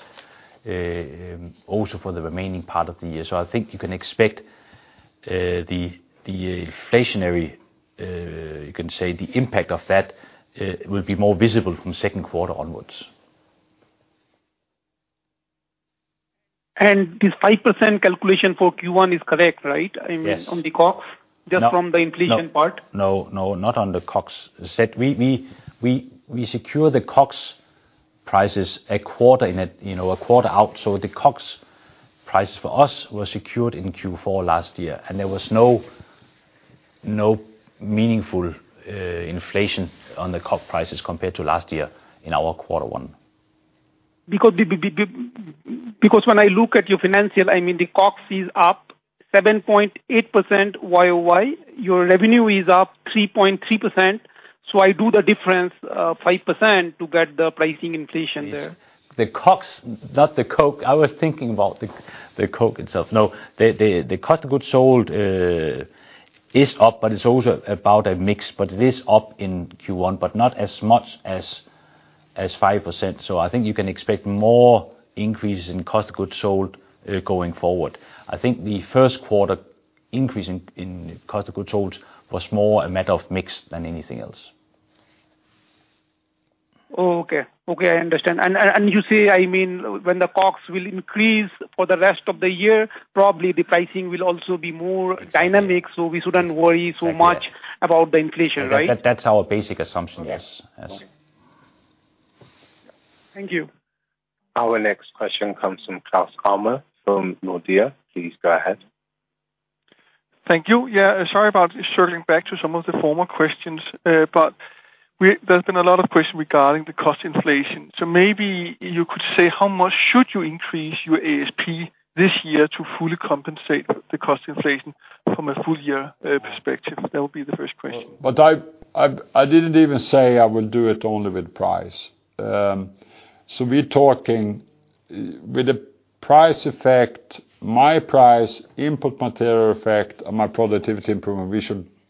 also for the remaining part of the year. I think you can expect the inflationary, you can say the impact of that, will be more visible from second quarter onwards. This 5% calculation for Q1 is correct, right? Yes. I mean, on the COGS, just from the inflation part. No, not on the COGS. We secure the COGS prices a quarter out. The COGS price for us was secured in Q4 last year, and there was no meaningful inflation on the COG prices compared to last year in our quarter one. Because when I look at your financials, the COGS is up 7.8% YOY. Your revenue is up 3.3%, I do the difference 5% to get the pricing inflation there. The COGS, not the coke. I was thinking about the coke itself. No, the cost of goods sold is up, but it's also about a mix. It is up in Q1, but not as much as 5%. I think you can expect more increases in cost of goods sold going forward. I think the first quarter increase in cost of goods sold was more a matter of mix than anything else. Okay. I understand. You say, when the cost will increase for the rest of the year, probably the pricing will also be more dynamic, so we shouldn't worry so much about the inflation, right? That's our basic assumption, yes. Okay. Thank you. Our next question comes from Claus Almer from Nordea. Please go ahead. Thank you. Yeah, sorry about circling back to some of the former questions. There's been a lot of questions regarding the cost inflation. Maybe you could say how much should you increase your ASP this year to fully compensate for the cost inflation from a full year perspective? That would be the first question. I didn't even say I will do it only with price. We're talking with the price effect, my price, input material effect, and my productivity improvement,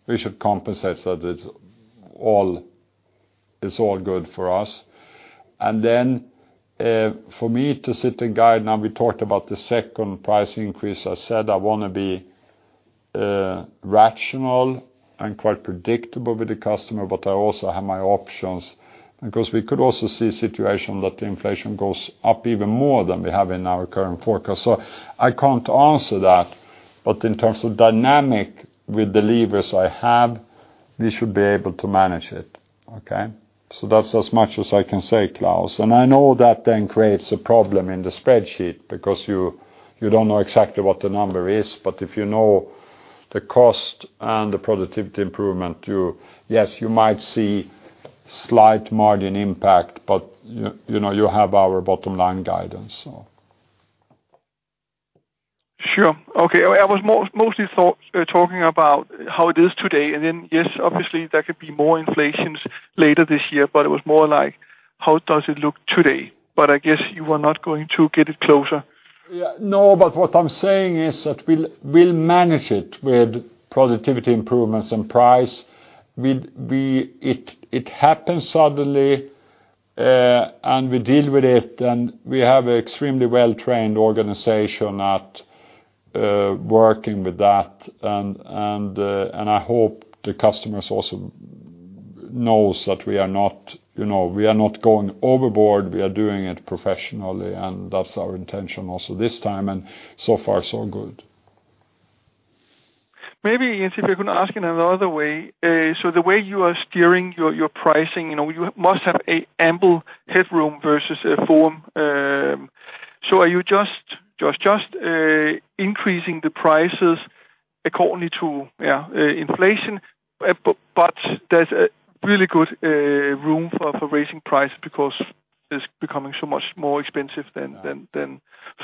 we should compensate that it's all good for us. For me to set the guide now we talked about the second price increase. I said I want to be rational and quite predictable with the customer, but I also have my options because we could also see a situation that inflation goes up even more than we have in our current forecast. I can't answer that. In terms of dynamic with the levers I have, we should be able to manage it. Okay. That's as much as I can say, Claus. I know that then creates a problem in the spreadsheet because you don't know exactly what the number is. If you know the cost and the productivity improvement too, yes, you might see slight margin impact, but you have our bottom line guidance. Sure. Okay. I was mostly talking about how it is today. Yes, obviously, there could be more inflations later this year, but it was more like, how does it look today? I guess you are not going to get closer. What I'm saying is that we'll manage it with productivity improvements and price. It happened suddenly, and we deal with it, and we have an extremely well-trained organization at working with that. I hope the customers also know that we are not going overboard. We are doing it professionally, and that's our intention also this time, and so far, so good. Maybe, Jens, if we can ask in another way, so the way you are steering your pricing, you must have ample headroom versus a foam. Are you just increasing the prices according to inflation, but there's a really good room for raising price because it's becoming so much more expensive than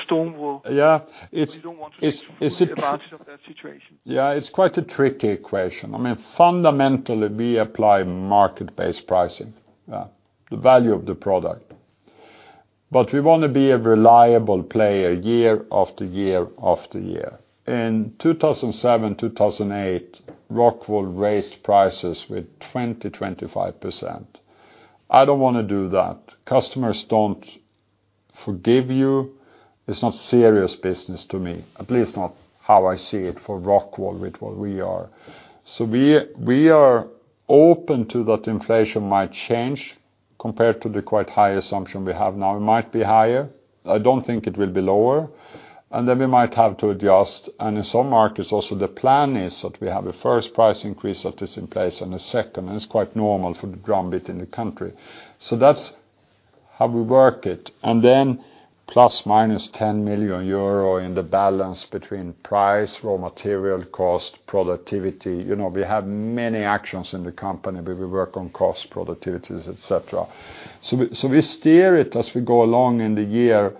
foam will? Yeah. You don't want to take advantage of that situation. Yeah, it's quite a tricky equation. Fundamentally, we apply market-based pricing. Yeah. The value of the product. We want to be a reliable player year after year after year. In 2007, 2008, ROCKWOOL raised prices with 20%-25%. I don't want to do that. Customers don't forgive you. It's not serious business to me, at least not how I see it for ROCKWOOL with what we are. We are open to that inflation might change compared to the quite high assumption we have now. It might be higher. I don't think it will be lower. We might have to adjust. In some markets also, the plan is that we have a first price increase that is in place and a second. That's quite normal for the drum beat in the country. That's how we work it. ±10 million euro in the balance between price, raw material cost, productivity. We have many actions in the company, but we work on cost productivities, et cetera. We steer it as we go along in the year,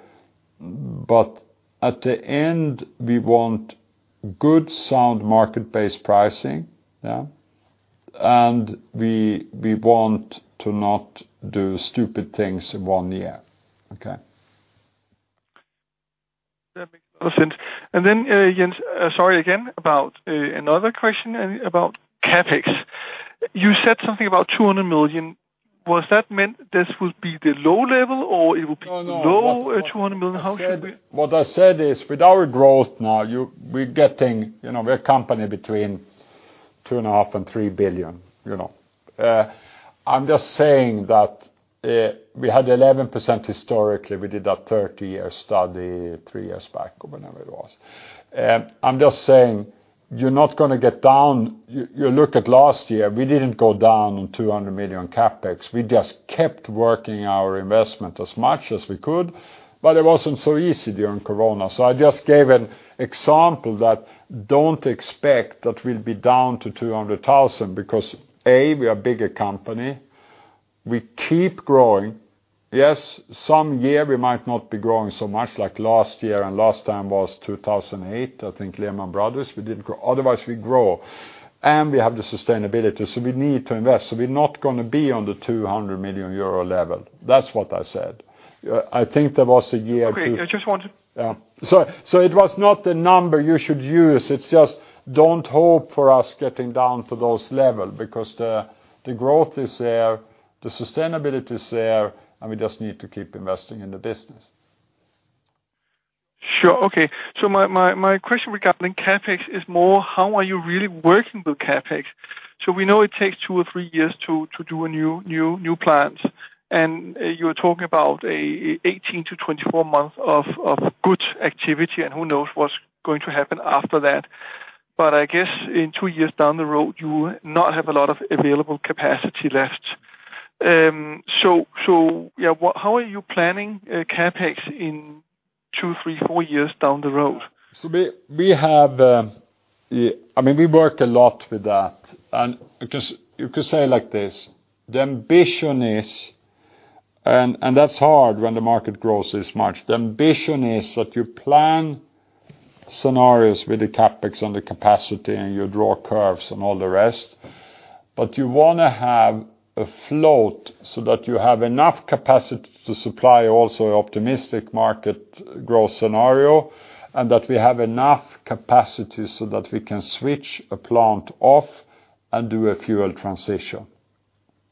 but at the end, we want good, sound, market-based pricing. Yeah. We want to not do stupid things in one year. Okay. That makes sense. Jens, sorry again, about another question about CapEx. You said something about 200 million. Was that meant this would be the low level, or it would be below 200 million? How should we- What I said is with our growth now, we're a company between 2.5 billion and 3 billion. I'm just saying that we had 11% historically. We did a 30-year study three years back or whenever it was. I'm just saying you're not going to get down. You look at last year, we didn't go down on 200 million CapEx. We just kept working our investment as much as we could. It wasn't so easy during Corona. I just gave an example that don't expect that we'll be down to 200,000 because, A, we are bigger company. We keep growing. Yes, some year we might not be growing so much like last year and last time was 2008, I think Lehman Brothers, we didn't grow. Otherwise, we grow, and we have the sustainability, so we need to invest. We're not going to be on the 200 million euro level. That's what I said. I think there was a year. Great. Yeah. It was not the number you should use. It's just don't hope for us getting down for those level because the growth is there, the sustainability is there, and we just need to keep investing in the business. Sure. Okay. My question regarding CapEx is more how are you really working with CapEx? We know it takes two or three years to do a new plant, and you're talking about 18 to 24 months of good activity, and who knows what's going to happen after that. I guess in two years down the road, you will not have a lot of available capacity left. How are you planning CapEx in two, three, four years down the road? We worked a lot with that. You could say it like this, the ambition is, and that's hard when the market grows this much. The ambition is that you plan scenarios with the CapEx and the capacity, and you draw curves and all the rest, but you want to have a float so that you have enough capacity to supply also optimistic market growth scenario, and that we have enough capacity so that we can switch a plant off and do a fuel transition.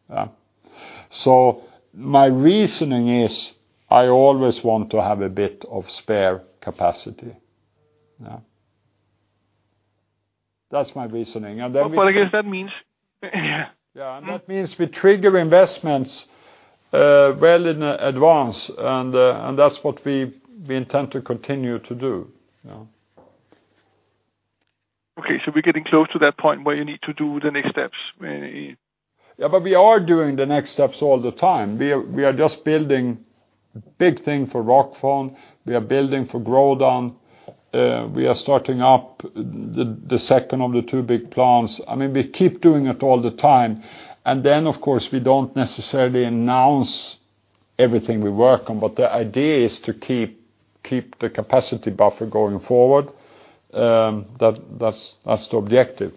Yeah. My reasoning is I always want to have a bit of spare capacity. Yeah. That's my reasoning. I guess that means- Yeah, that means we trigger investments well in advance, and that's what we intend to continue to do. Yeah. Okay. We're getting close to that point where you need to do the next steps. We are doing the next steps all the time. We are just building a big thing for Rockfon. We are building for Grodan. We are starting up the second of the two big plants. We keep doing it all the time. Of course, we don't necessarily announce everything we work on. The idea is to keep the capacity buffer going forward. That's the objective.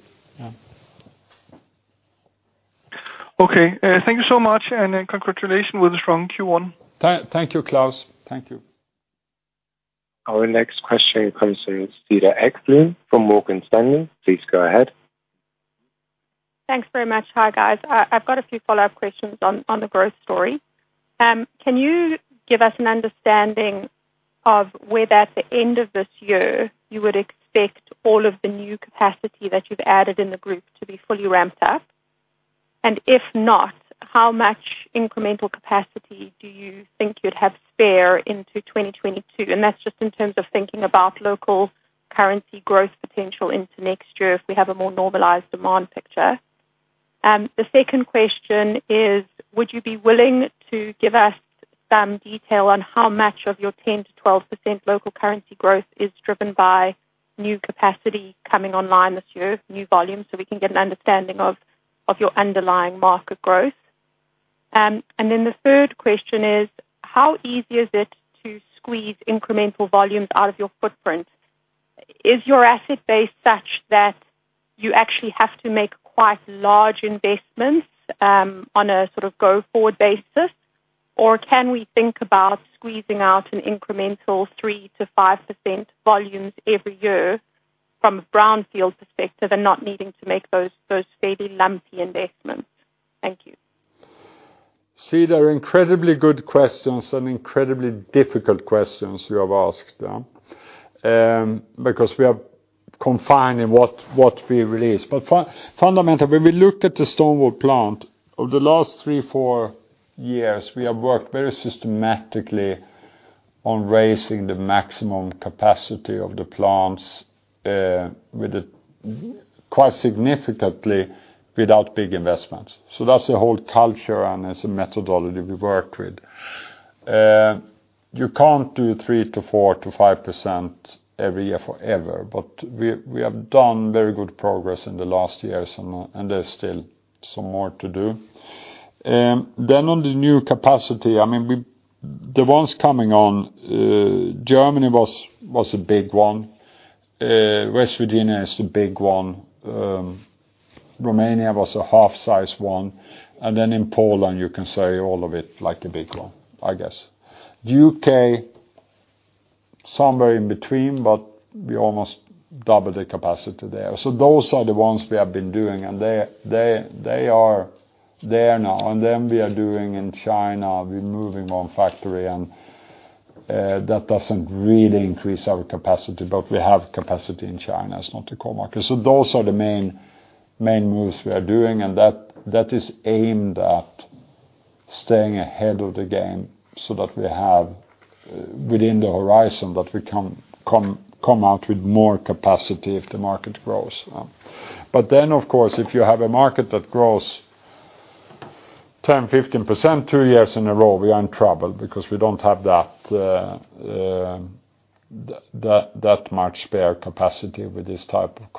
Okay. Thank you so much. Congratulations on the strong Q1. Thank you, Claus. Thank you. Our next question comes from Cedar Ekblom from Morgan Stanley. Please go ahead. Thanks very much. Hi, guys. I've got a few follow-up questions on the growth story. Can you give us an understanding of whether at the end of this year you would expect all of the new capacity that you've added in the group to be fully ramped up? If not, how much incremental capacity do you think you'd have spare into 2022? That's just in terms of thinking about local currency growth potential into next year if we have a more normalized demand picture. The second question is, would you be willing to give us some detail on how much of your 10%-12% local currency growth is driven by new capacity coming online this year, new volume, so we can get an understanding of your underlying market growth? The third question is, how easy is it to squeeze incremental volume out of your footprint? Is your asset base such that you actually have to make quite large investments on a go-forward basis, or can we think about squeezing out an incremental 3%-5% volumes every year from a brownfield perspective and not needing to make those fairly lumpy investments? Thank you. Cedar, incredibly good questions and incredibly difficult questions you have asked. We are confined in what we release. Fundamentally, when we look at the stone wool plant, over the last three, four years, we have worked very systematically on raising the maximum capacity of the plants quite significantly without big investments. That's a whole culture and it's a methodology we work with. You can't do 3% to 4% to 5% every year forever, but we have done very good progress in the last years, and there's still some more to do. On the new capacity, the ones coming on, Germany was a big one. West Virginia is a big one. Romania was a half-size one, and then in Poland, you can say all of it like a big one, I guess. U.K., somewhere in between, but we almost doubled the capacity there. Those are the ones we have been doing, and they are there now. We are doing in China, we're moving one factory, and that doesn't really increase our capacity, but we have capacity in China. It's not a core market. Those are the main moves we are doing, and that is aimed at staying ahead of the game so that we have, within the horizon, that we can come out with more capacity if the market grows. Of course, if you have a market that grows 10%, 15% two years in a row, we are in trouble because we don't have that much spare capacity with this type of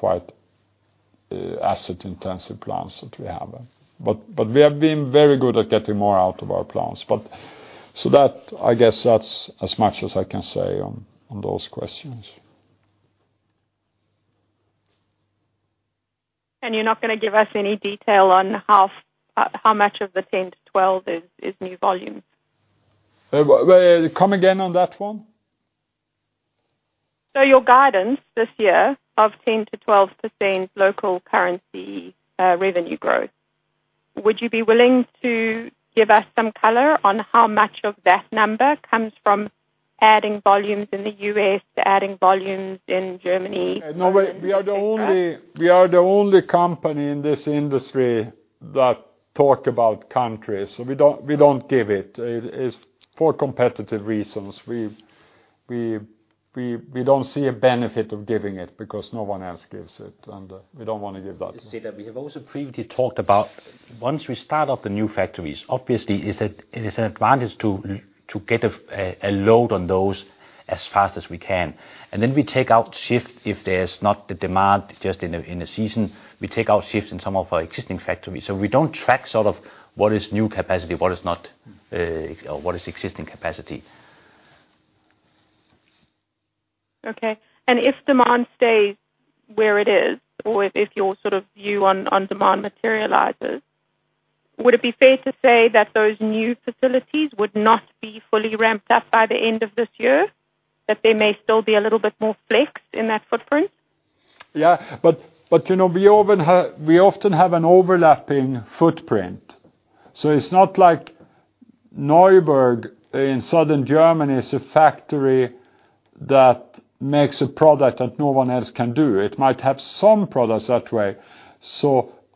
quite asset-intensive plants that we have. We have been very good at getting more out of our plants. I guess that's as much as I can say on those questions. You're not going to give us any detail on how much of the 10%-12% is new volumes? Come again on that one. Your guidance this year of 10%-12% local currency revenue growth, would you be willing to give us some color on how much of that number comes from adding volumes in the U.S., adding volumes in Germany? No, we are the only company in this industry that talk about countries, so we don't give it. It is for competitive reasons. We don't see a benefit of giving it because no one else gives it, and we don't want to give that. Listen, Cedar. We have also previously talked about once we start up the new factories, obviously it is an advantage to get a load on those as fast as we can. We take out shifts if there's not the demand just in a season, we take out shifts in some of our existing factories. We don't track sort of what is new capacity, what is not, or what is existing capacity. Okay. If demand stays where it is, or if your view on demand materializes, would it be fair to say that those new facilities would not be fully ramped up by the end of this year? That there may still be a little bit more flex in that footprint? We often have an overlapping footprint. It's not like Neuburg in Southern Germany is a factory that makes a product that no one else can do. It might have some products that way.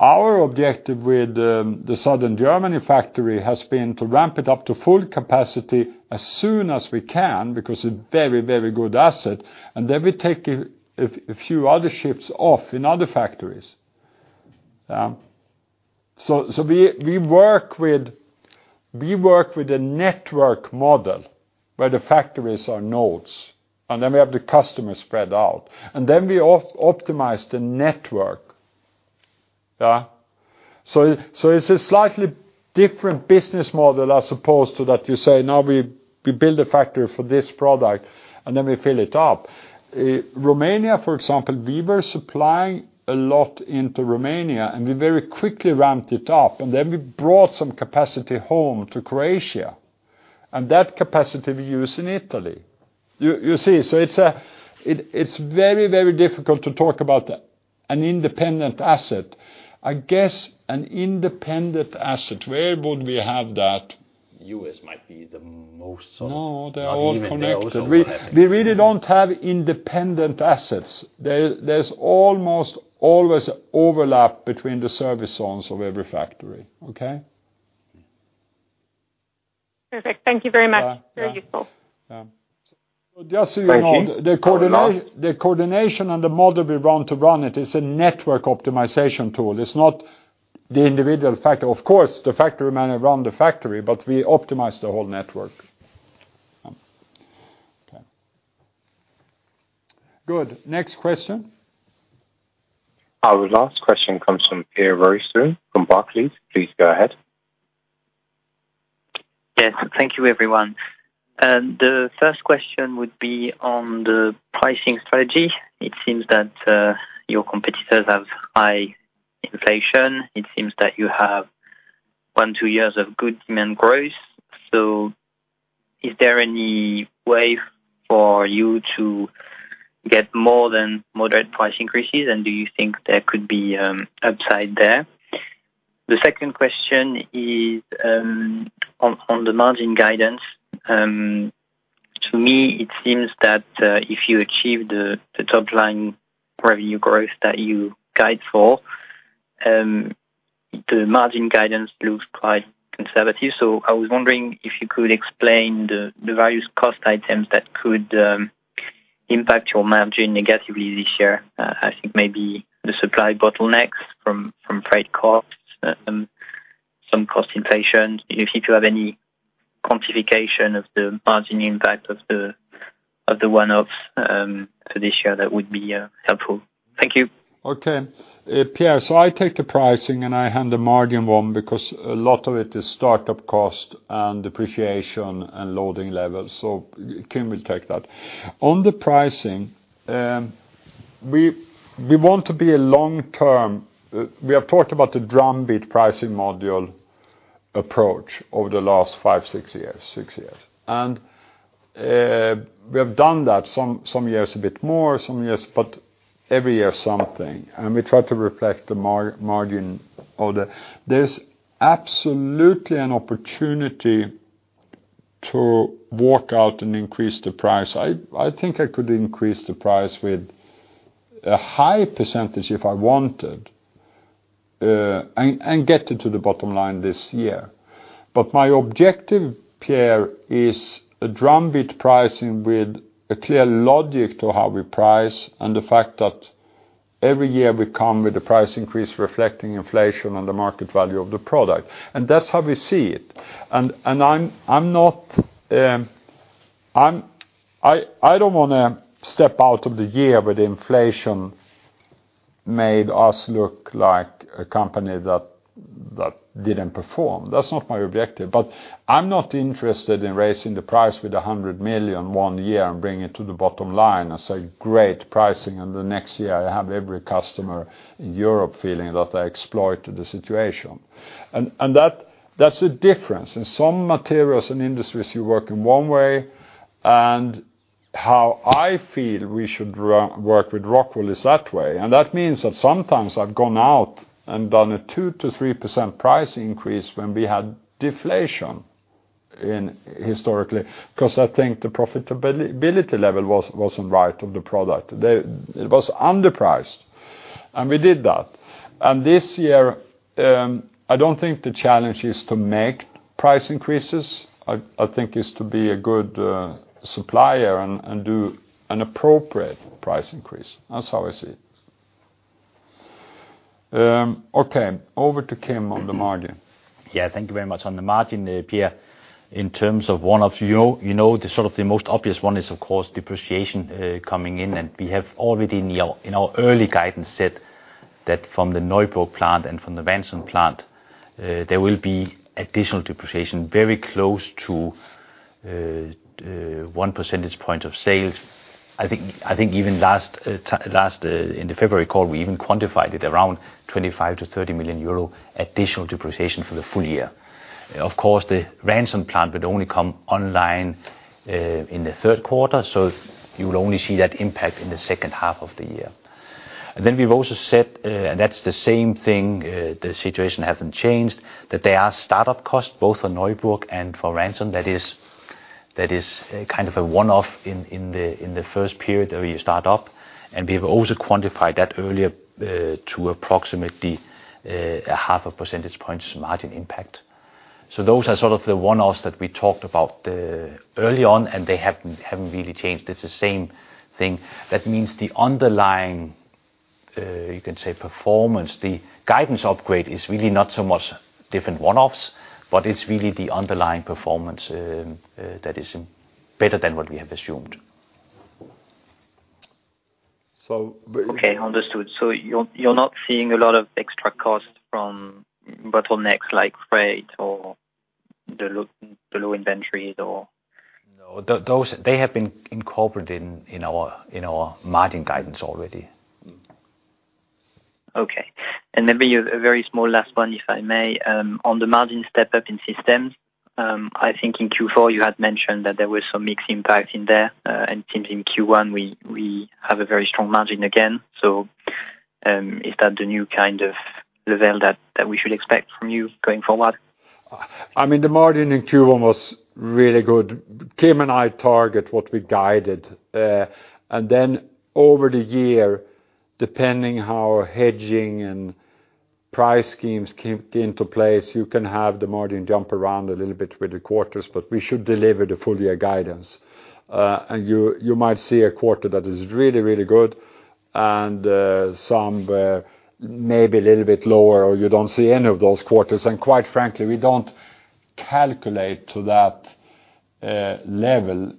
Our objective with the Southern Germany factory has been to ramp it up to full capacity as soon as we can because a very, very good asset, and then we take a few other shifts off in other factories. We work with a network model where the factories are nodes, and then we have the customers spread out. We optimize the network. It's a slightly different business model as opposed to that you say, now we build a factory for this product, and then we fill it up. Romania, for example, we were supplying a lot into Romania, and we very quickly ramped it up. We brought some capacity home to Croatia, and that capacity we use in Italy. You see? It's very difficult to talk about an independent asset. I guess an independent asset, where would we have that? U.S. might be the most- No, <crosstalk> they are all connected. We really don't have independent assets. There's almost always overlap between the service zones of every factory. Okay? Perfect. Thank you very much. Very useful. Yeah. Just so you know, the coordination and the model we want to run it is a network optimization tool. It's not the individual factory. Of course, the factory manager run the factory, but we optimize the whole network. Good. Next question. Our last question comes from Pierre Rousseau from Barclays. Please go ahead. Yes. Thank you, everyone. The first question would be on the pricing strategy. It seems that your competitors have high inflation. It seems that you have one, two years of good demand growth. Is there any way for you to get more than moderate price increases, and do you think there could be upside there? The second question is on the margin guidance. To me, it seems that if you achieve the top-line revenue growth that you guide for, the margin guidance looks quite conservative. I was wondering if you could explain the various cost items that could impact your margin negatively this year. I think maybe the supply bottlenecks from freight costs and some cost inflation, if you have any quantification of the margin impact of the one-offs this year, that would be helpful. Thank you. Okay. Pierre, I take the pricing and I hand the margin one because a lot of it is startup cost and depreciation and loading levels. Kim will take that. On the pricing, we have talked about the drumbeat pricing module approach over the last five, six years. We have done that some years a bit more, some years, every year something, we try to reflect the margin order. There is absolutely an opportunity to walk out and increase the price. I think I could increase the price with a high percentage if I wanted, get it to the bottom line this year. But my objective, Pierre, is a drumbeat pricing with a clear logic to how we price the fact that every year we come with a price increase reflecting inflation and the market value of the product. That is how we see it. I don't want to step out of the year where the inflation made us look like a company that didn't perform. That's not my objective. I'm not interested in raising the price with 100 million one year and bring it to the bottom line and say, "Great pricing." The next year, I have every customer in Europe feeling that I exploited the situation. That's the difference. In some materials and industries, you work in one way, and how I feel we should work with ROCKWOOL is that way. That means that sometimes I've gone out and done a 2%-3% price increase when we had deflation historically, because I think the profitability level wasn't right of the product. It was underpriced, and we did that. This year, I don't think the challenge is to make price increases. I think it's to be a good supplier and do an appropriate price increase. That's how I see it. Okay, over to Kim on the margin. Thank you very much. On the margin, Pierre, in terms of one-offs, you know the sort of the most obvious one is, of course, depreciation coming in, and we have already in our early guidance said that from the Neuburg plant and from the Ranson plant, there will be additional depreciation very close to 1 percentage point of sales. I think even in the February call, we even quantified it around 25 million-30 million euro additional depreciation for the full year. Of course, the Ranson plant would only come online in the third quarter. You'll only see that impact in the second half of the year. Then we've also said, and that's the same thing, the situation hasn't changed, that there are startup costs both on Neuburg and for Ranson that is a one-off in the first period where you start up. We've also quantified that earlier to approximately a 0.5 percentage point margin impact. Those are sort of the one-offs that we talked about early on, and they haven't really changed. It's the same thing. That means the underlying, you can say performance, the guidance upgrade is really not so much different one-offs, but it's really the underlying performance that is better than what we have assumed. Okay, understood. You're not seeing a lot of extra costs from bottlenecks like freight or the low inventories or? No, they have been incorporated in our margin guidance already. Okay. A very small last one, if I may. On the margin step-up in Systems, I think in Q4 you had mentioned that there was some mix impact in there, and in Q1 we have a very strong margin again. Is that the new kind of level that we should expect from you going forward? The margin in Q1 was really good. Kim and I target what we guided. Then over the year, depending how hedging and price schemes came into place, you can have the margin jump around a little bit with the quarters, but we should deliver the full year guidance. You might see a quarter that is really, really good and some maybe a little bit lower, or you don't see any of those quarters. Quite frankly, we don't calculate to that level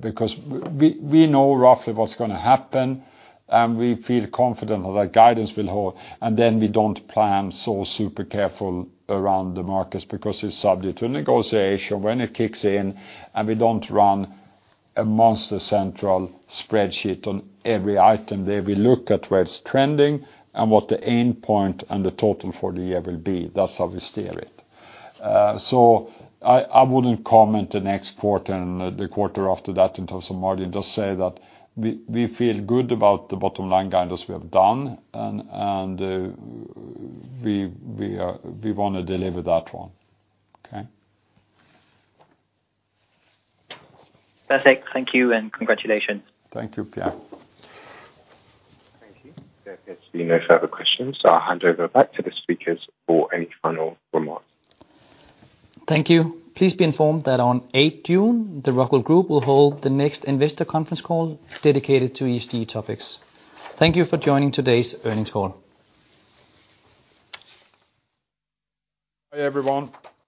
because we know roughly what's going to happen, and we feel confident that that guidance will hold, then we don't plan so super careful around the margins because it's subject to negotiation, when it kicks in, and we don't run a monster central spreadsheet on every item there. We look at where it's trending and what the end point and the total for the year will be. That's how we steer it. I wouldn't comment the next quarter and the quarter after that in terms of margin. Just say that we feel good about the bottom line guidance we have done, and we want to deliver that one. Okay? Perfect. Thank you, and congratulations. Thank you, Pierre. Thank you. There appears to be no further questions, so I'll hand over back to the speakers for any final remarks. Thank you. Please be informed that on 8th June, the ROCKWOOL Group will hold the next investor conference call dedicated to ESG topics. Thank you for joining today's earnings call. Bye, everyone.